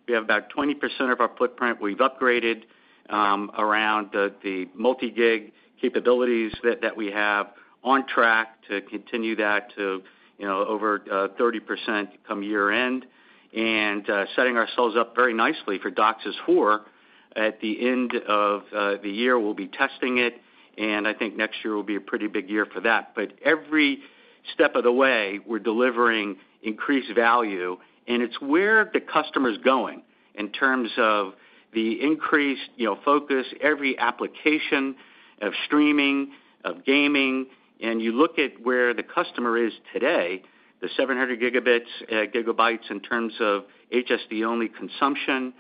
We have about 20% of our footprint. We've upgraded around the multi-gig capabilities that we have on track to continue that to, you know, over 30% come year-end. Setting ourselves up very nicely for DOCSIS 4.0 at the end of the year, we'll be testing it, and I think next year will be a pretty big year for that. Every step of the way, we're delivering increased value, and it's where the customer's going in terms of the increased, you know, focus, every application of streaming, of gaming. You look at where the customer is today, the 700 gigabits, gigabytes in terms of HSD-only consumption,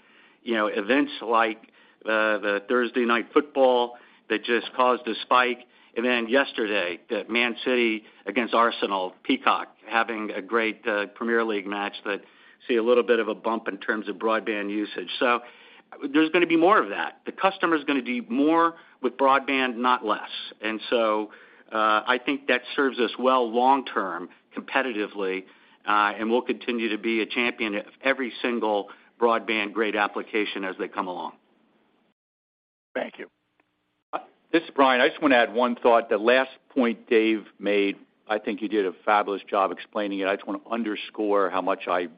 you know, events like the Thursday Night Football that just caused a spike. Yesterday, Man City against Arsenal, Peacock, having a great Premier League match that see a little bit of a bump in terms of broadband usage. There's going to be more of that. The customer is going to do more with broadband, not less. I think that serves us well long term competitively, and we'll continue to be a champion of every single broadband-grade application as they come along. Thank you. This is Brian. I just want to add one thought. The last point Dave made, I think you did a fabulous job explaining it. I just want to underscore how much I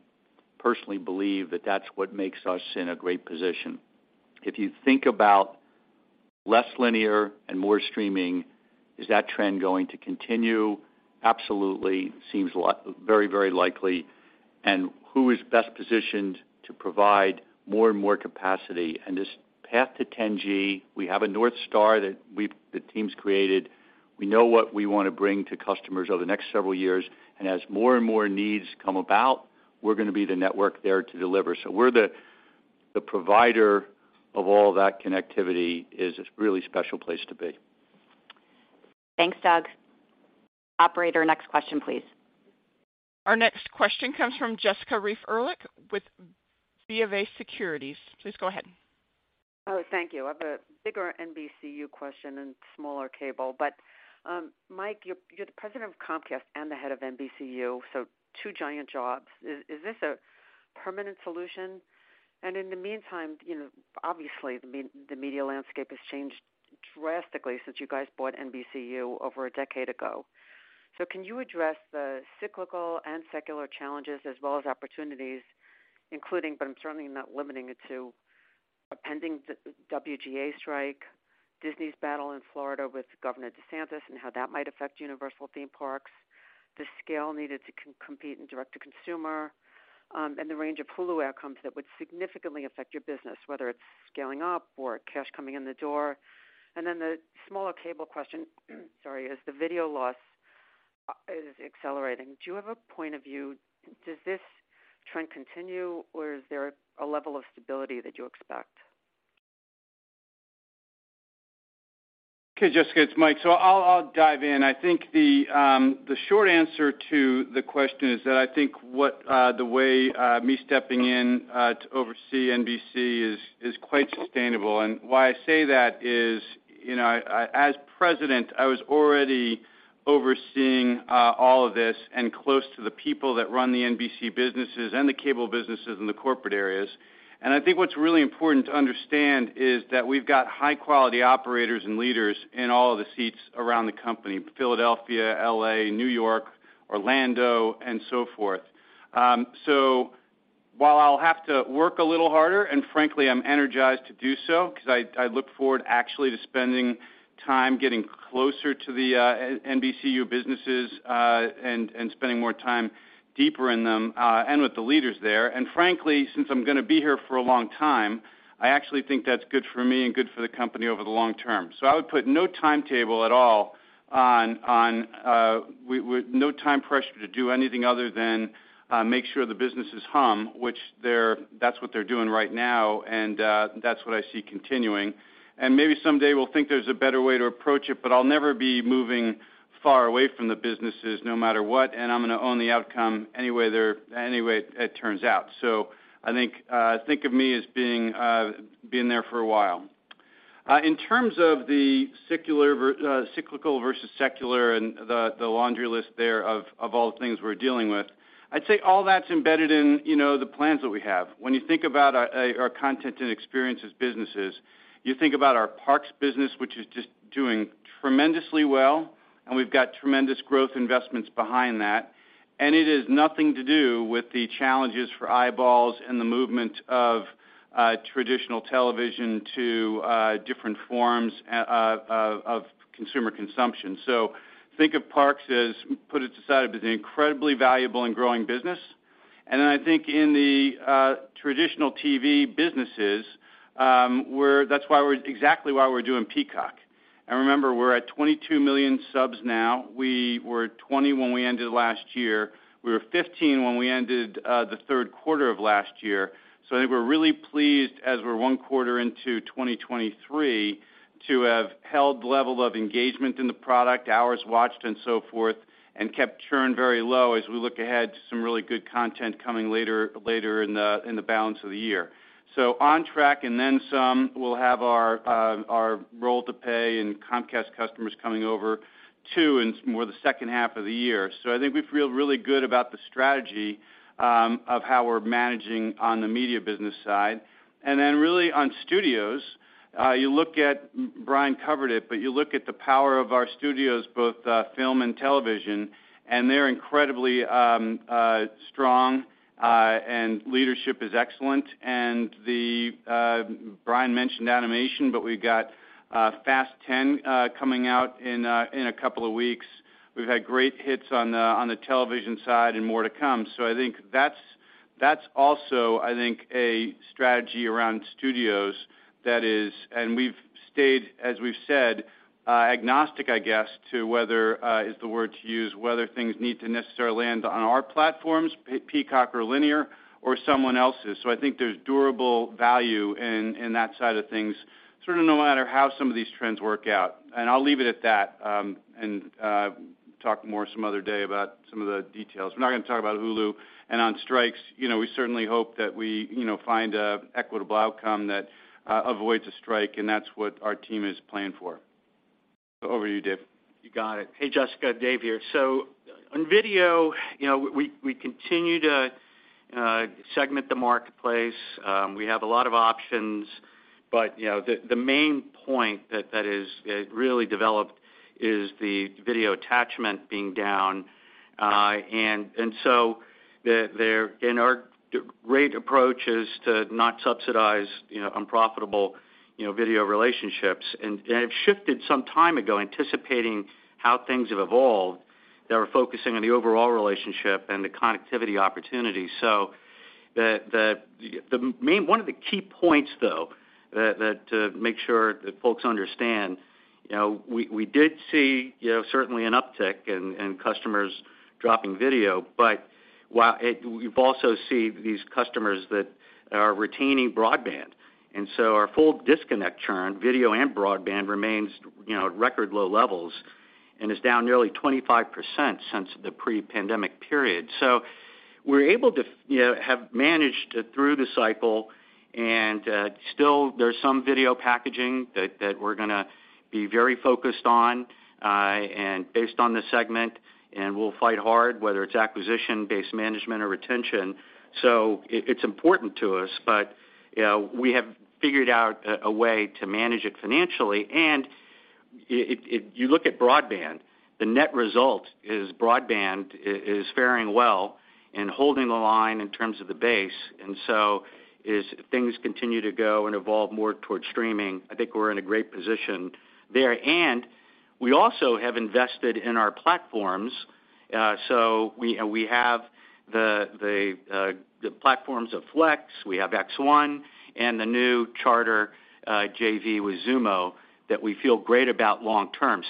personally believe that that's what makes us in a great position. If you think about less linear and more streaming, is that trend going to continue? Absolutely. Seems very, very likely. Who is best positioned to provide more and more capacity? This path to 10G, we have a North Star that the team's created. We know what we want to bring to customers over the next several years. As more and more needs come about, we're going to be the network there to deliver. We're the provider of all that connectivity is a really special place to be. Thanks, Doug. Operator, next question, please. Our next question comes from Jessica Reif Ehrlich with BofA Securities. Please go ahead. Thank you. I have a bigger NBCU question and smaller cable. Mike, you're the President of Comcast and the head of NBCU, so two giant jobs. Is this a permanent solution? In the meantime, you know, obviously, the media landscape has changed drastically since you guys bought NBCU over a decade ago. Can you address the cyclical and secular challenges as well as opportunities, including, but I'm certainly not limiting it to a pending WGA strike Disney's battle in Florida with Governor DeSantis and how that might affect Universal theme parks, the scale needed to compete in direct to consumer, and the range of Hulu outcomes that would significantly affect your business, whether it's scaling up or cash coming in the door. The smaller cable question, sorry, is the video loss is accelerating. Do you have a point of view, does this trend continue, or is there a level of stability that you expect? Okay, Jessica, it's Mike. I'll dive in. I think the short answer to the question is that I think what the way me stepping in to oversee NBC is quite sustainable. Why I say that is, you know, as president, I was already overseeing all of this and close to the people that run the NBC businesses and the cable businesses in the corporate areas. I think what's really important to understand is that we've got high quality operators and leaders in all of the seats around the company, Philadelphia, L.A., New York, Orlando, and so forth. While I'll have to work a little harder, and frankly, I'm energized to do so because I look forward actually to spending time getting closer to the NBCU businesses, and spending more time deeper in them, and with the leaders there. Frankly, since I'm going to be here for a long time, I actually think that's good for me and good for the company over the long term. I would put no timetable at all on, with no time pressure to do anything other than make sure the businesses hum, that's what they're doing right now, and that's what I see continuing. Maybe someday we'll think there's a better way to approach it, but I'll never be moving far away from the businesses no matter what, and I'm gonna own the outcome any way it turns out. I think of me as being there for a while. In terms of the cyclical versus secular and the laundry list there of all the things we're dealing with, I'd say all that's embedded in, you know, the plans that we have. When you think about our content and experiences businesses, you think about our Parks business, which is just doing tremendously well, and we've got tremendous growth investments behind that. It is nothing to do with the challenges for eyeballs and the movement of traditional television to different forms of consumer consumption. Think of Parks as, put it to side, as an incredibly valuable and growing business. I think in the traditional TV businesses, exactly why we're doing Peacock. Remember, we're at 22 million subs now. We were 20 when we ended last year. We were 15 when we ended the third quarter of last year. I think we're really pleased as we're one quarter into 2023 to have held level of engagement in the product, hours watched and so forth, and kept churn very low as we look ahead to some really good content coming later in the balance of the year. On track, and then some, we'll have our role to pay and Comcast customers coming over too in more the second half of the year. I think we feel really good about the strategy of how we're managing on the media business side. Really on studios, you look at, Brian covered it, but you look at the power of our studios, both film and television, and they're incredibly strong, and leadership is excellent. The Brian mentioned animation, but we've got Fast X coming out in a couple of weeks. We've had great hits on the television side and more to come. I think that's also, I think, a strategy around studios that is. We've stayed, as we've said, agnostic, I guess, to whether is the word to use, whether things need to necessarily land on our platforms, Peacock or Linear, or someone else's. I think there's durable value in that side of things, sort of no matter how some of these trends work out. I'll leave it at that, and talk more some other day about some of the details. We're not gonna talk about Hulu. On strikes, you know, we certainly hope that we, you know, find a equitable outcome that avoids a strike, and that's what our team is planning for. Over to you, Dave. You got it. Hey, Jessica, Dave here. On video, you know, we continue to segment the marketplace. We have a lot of options, but, you know, the main point that is really developed is the video attachment being down. Our great approach is to not subsidize, you know, unprofitable, you know, video relationships. It shifted some time ago, anticipating how things have evolved, that we're focusing on the overall relationship and the connectivity opportunity. One of the key points, though, to make sure that folks understand, you know, we did see, you know, certainly an uptick in customers dropping video, but you've also seen these customers that are retaining broadband. Our full disconnect churn, video and broadband, remains, you know, at record low levels and is down nearly 25% since the pre-pandemic period. We're able to, you know, have managed through the cycle, and still there's some video packaging that we're gonna be very focused on, and based on the segment, and we'll fight hard, whether it's acquisition, base management or retention. It's important to us, but, you know, we have figured out a way to manage it financially. If you look at broadband, the net result is broadband is faring well and holding the line in terms of the base. As things continue to go and evolve more towards streaming, I think we're in a great position there. We also have invested in our platforms. We have the platforms of Flex, we have X1 and the new Charter JV with Xumo that we feel great about long term.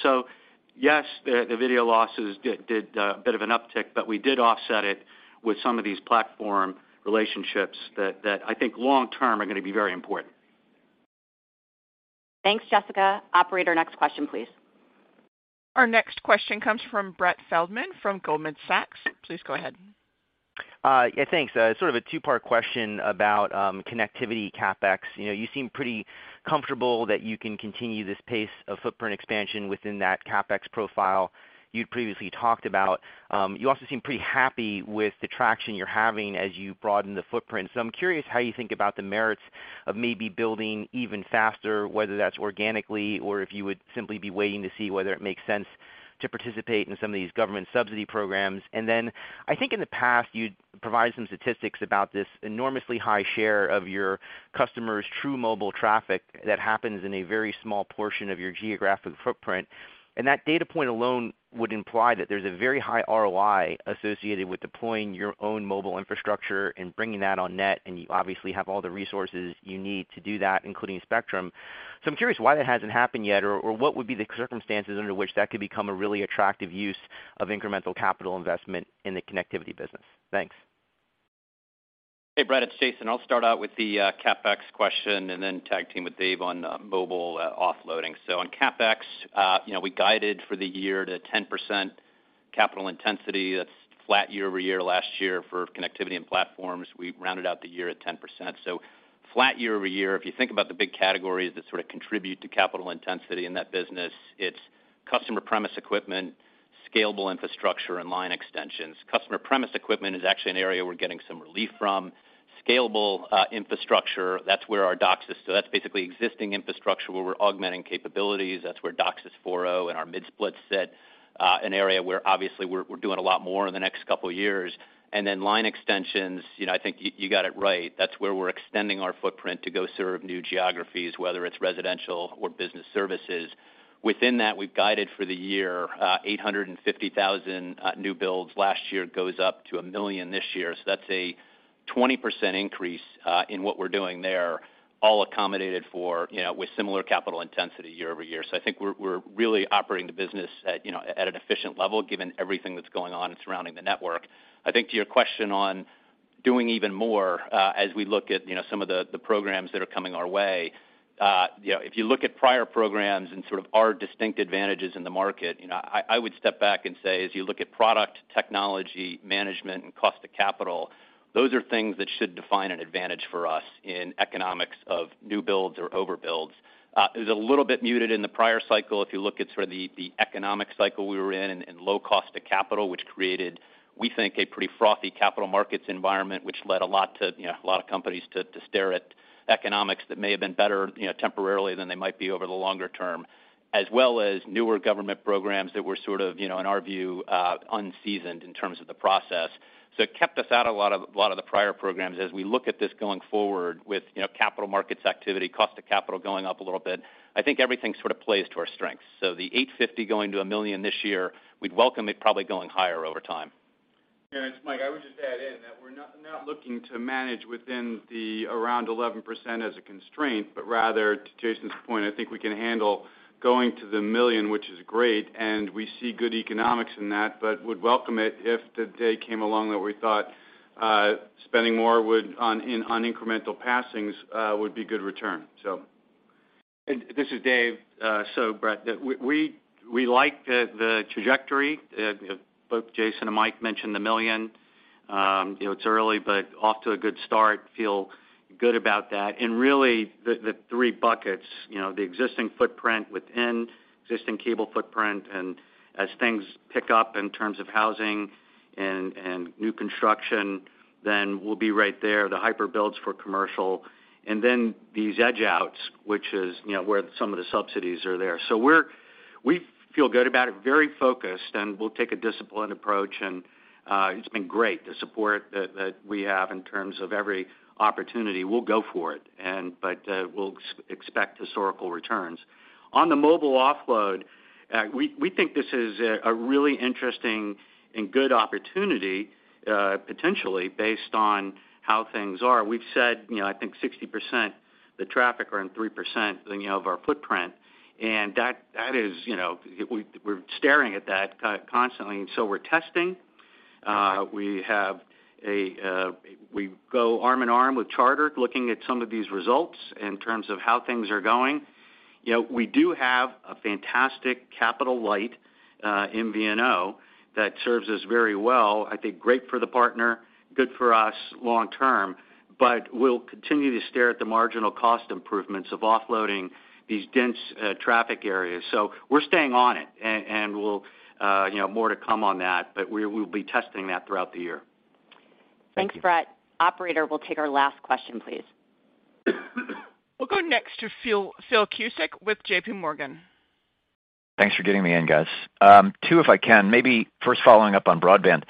Yes, the video losses did a bit of an uptick, but we did offset it with some of these platform relationships that I think long term are gonna be very important. Thanks, Jessica. Operator, next question, please. Our next question comes from Brett Feldman from Goldman Sachs. Please go ahead. Yeah, thanks. Sort of a two-part question about connectivity CapEx. You know, you seem pretty comfortable that you can continue this pace of footprint expansion within that CapEx profile you'd previously talked about. You also seem pretty happy with the traction you're having as you broaden the footprint. I'm curious how you think about the merits of maybe building even faster, whether that's organically or if you would simply be waiting to see whether it makes sense to participate in some of these government subsidy programs. I think in the past, you'd provide some statistics about this enormously high share of your customers' true mobile traffic that happens in a very small portion of your geographic footprint. That data point alone would imply that there's a very high ROI associated with deploying your own mobile infrastructure and bringing that on net, and you obviously have all the resources you need to do that, including Spectrum. I'm curious why that hasn't happened yet or what would be the circumstances under which that could become a really attractive use of incremental capital investment in the connectivity business? Thanks. Hey, Brett, it's Jason. I'll start out with the CapEx question and then tag team with Dave on mobile offloading. On CapEx, you know, we guided for the year to 10% capital intensity. That's flat year-over-year last year for connectivity and platforms. We rounded out the year at 10%. Flat year-over-year. If you think about the big categories that sort of contribute to capital intensity in that business, it's customer premise equipment, scalable infrastructure, and line extensions. Customer premise equipment is actually an area we're getting some relief from. Scalable infrastructure, that's basically existing infrastructure where we're augmenting capabilities. That's where DOCSIS 4.0 and our mid-split sit, an area where obviously we're doing a lot more in the next couple of years. Line extensions, you know, I think you got it right. That's where we're extending our footprint to go serve new geographies, whether it's residential or business services. Within that, we've guided for the year, 850,000 new builds. Last year, it goes up to one million this year. That's a 20% increase in what we're doing there, all accommodated for, you know, with similar capital intensity year-over-year. I think we're really operating the business at, you know, at an efficient level, given everything that's going on and surrounding the network. I think to your question on doing even more, as we look at, you know, some of the programs that are coming our way, you know, if you look at prior programs and sort of our distinct advantages in the market, you know, I would step back and say, as you look at product, technology, management, and cost of capital, those are things that should define an advantage for us in economics of new builds or over builds. It was a little bit muted in the prior cycle. If you look at sort of the economic cycle we were in and low cost of capital, which created, we think, a pretty frothy capital markets environment, which led a lot to, you know, a lot of companies to stare at economics that may have been better, you know, temporarily than they might be over the longer term, as well as newer government programs that were sort of, you know, in our view, unseasoned in terms of the process. It kept us out a lot of the prior programs. As we look at this going forward with, you know, capital markets activity, cost of capital going up a little bit, I think everything sort of plays to our strengths. The $850 going to $1 million this year, we'd welcome it probably going higher over time. Yeah, it's Mike. I would just add in that we're not looking to manage within the around 11% as a constraint, but rather, to Jason's point, I think we can handle going to the one million, which is great, and we see good economics in that, but would welcome it if the day came along that we thought spending more would on incremental passings would be good return, so. This is Dave. So Brett, we like the trajectory. Both Jason and Mike mentioned the million. You know, it's early, but off to a good start. Feel good about that. Really, the three buckets, you know, the existing footprint within existing cable footprint, and as things pick up in terms of housing and new construction, then we'll be right there. The hyper builds for commercial, and then these edge outs, which is, you know, where some of the subsidies are there. We feel good about it, very focused, and we'll take a disciplined approach. It's been great, the support that we have in terms of every opportunity. We'll go for it, but we'll expect historical returns. On the mobile offload, we think this is a really interesting and good opportunity, potentially based on how things are. We've said, you know, I think 60% the traffic are in 3% than, you know, of our footprint. That is, you know, we're staring at that constantly, we're testing. We have a, we go arm in arm with Charter, looking at some of these results in terms of how things are going. You know, we do have a fantastic capital light MVNO that serves us very well. I think great for the partner, good for us long term, we'll continue to stare at the marginal cost improvements of offloading these dense traffic areas. We're staying on it and we'll, you know, more to come on that, but we'll be testing that throughout the year. Thank you. Thanks, Brett. Operator, we'll take our last question, please. We'll go next to Phil Cusick with JP Morgan. Thanks for getting me in, guys. Two, if I can. Maybe first following up on broadband.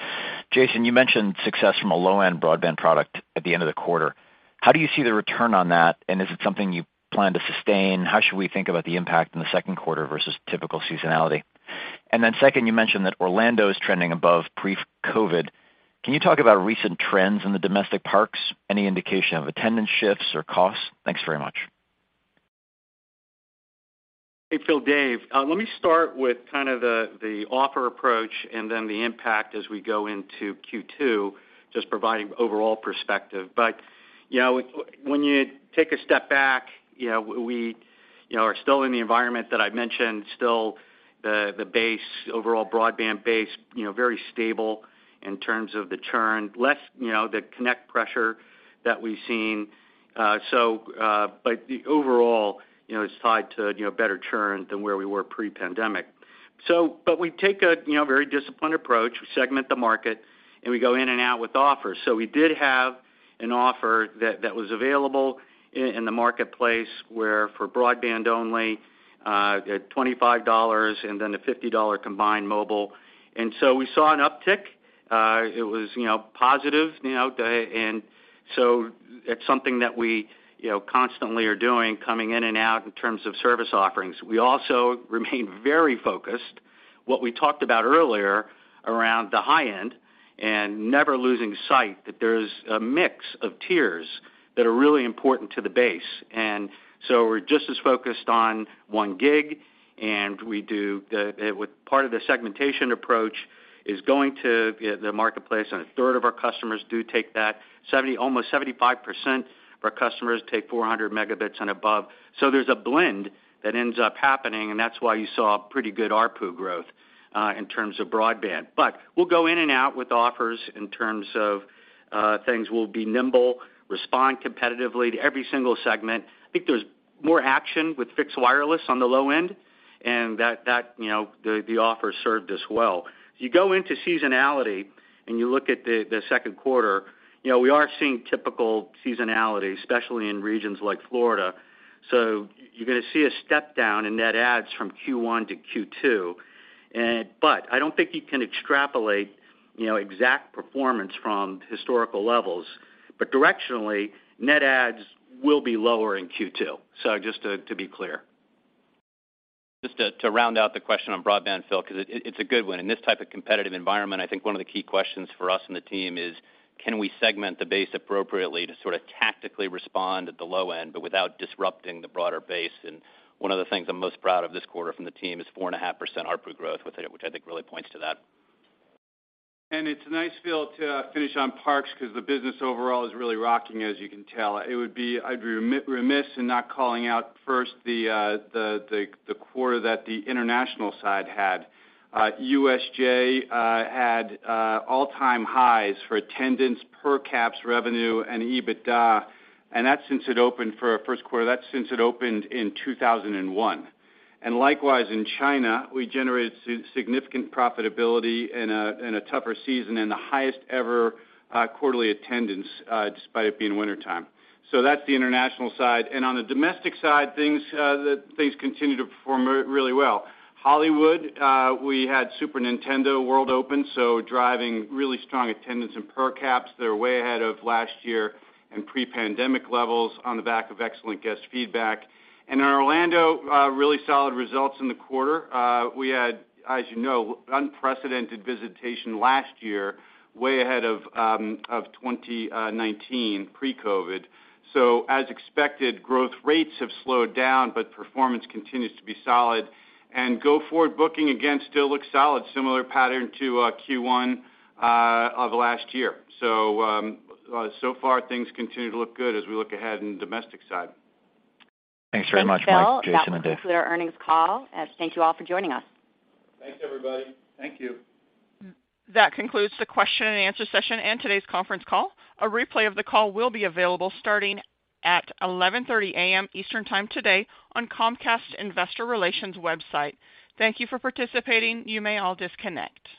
Jason, you mentioned success from a low-end broadband product at the end of the quarter. How do you see the return on that, and is it something you plan to sustain? How should we think about the impact in the second quarter versus typical seasonality? Then second, you mentioned that Orlando is trending above pre-COVID. Can you talk about recent trends in the domestic parks? Any indication of attendance shifts or costs? Thanks very much. Hey, Phil, Dave. Let me start with kind of the offer approach and then the impact as we go into Q2, just providing overall perspective. When you take a step back, you know, we, you know, are still in the environment that I mentioned, still the base, overall broadband base, you know, very stable in terms of the churn. Less, you know, the connect pressure that we've seen. But the overall, you know, is tied to, you know, better churn than where we were pre-pandemic. But we take a, you know, very disciplined approach. We segment the market, and we go in and out with offers. We did have an offer that was available in the marketplace where for broadband only, at $25 and then a $50 combined mobile. We saw an uptick. It was, you know, positive, you know, and so it's something that we, you know, constantly are doing, coming in and out in terms of service offerings. We also remain very focused, what we talked about earlier, around the high end and never losing sight that there's a mix of tiers That are really important to the base. We're just as focused on one gig, and part of the segmentation approach is going to the marketplace, and a third of our customers do take that. Almost 75% of our customers take 400 Mb and above. There's a blend that ends up happening, and that's why you saw pretty good ARPU growth in terms of broadband. We'll go in and out with offers in terms of things. We'll be nimble, respond competitively to every single segment. I think there's more action with fixed wireless on the low end, and that, you know, the offer served us well. If you go into seasonality and you look at the second quarter, you know, we are seeing typical seasonality, especially in regions like Florida. You're gonna see a step down in net adds from Q1 to Q2. I don't think you can extrapolate, you know, exact performance from historical levels. Directionally, net adds will be lower in Q2. Just to be clear. Just to round out the question on broadband, Phil, 'cause it's a good one. In this type of competitive environment, I think one of the key questions for us and the team is, can we segment the base appropriately to sort of tactically respond at the low end, but without disrupting the broader base? One of the things I'm most proud of this quarter from the team is 4.5% ARPU growth with it, which I think really points to that. It's nice, Phil, to finish on parks because the business overall is really rocking, as you can tell. I'd be remiss in not calling out first the quarter that the international side had. USJ had all-time highs for attendance, per caps revenue, and EBITDA, and that's since it opened for our first quarter. That's since it opened in 2001. Likewise, in China, we generated significant profitability in a tougher season and the highest ever quarterly attendance despite it being wintertime. That's the international side. On the domestic side, things continue to perform really well. Hollywood, we had Super Nintendo World open, so driving really strong attendance and per caps. They're way ahead of last year and pre-pandemic levels on the back of excellent guest feedback. In Orlando, really solid results in the quarter. We had, as you know, unprecedented visitation last year, way ahead of 2019 pre-COVID. As expected, growth rates have slowed down, but performance continues to be solid. Go forward booking, again, still looks solid, similar pattern to Q1 of last year. So far things continue to look good as we look ahead in the domestic side. Thanks very much, Mike, Jason, and Dave. Thanks, Phil. That will conclude our earnings call, and thank you all for joining us. Thanks, everybody. Thank you. That concludes the question and answer session and today's conference call. A replay of the call will be available starting at 11:30 A.M. Eastern Time today on Comcast investor relations website. Thank you for participating. You may all disconnect.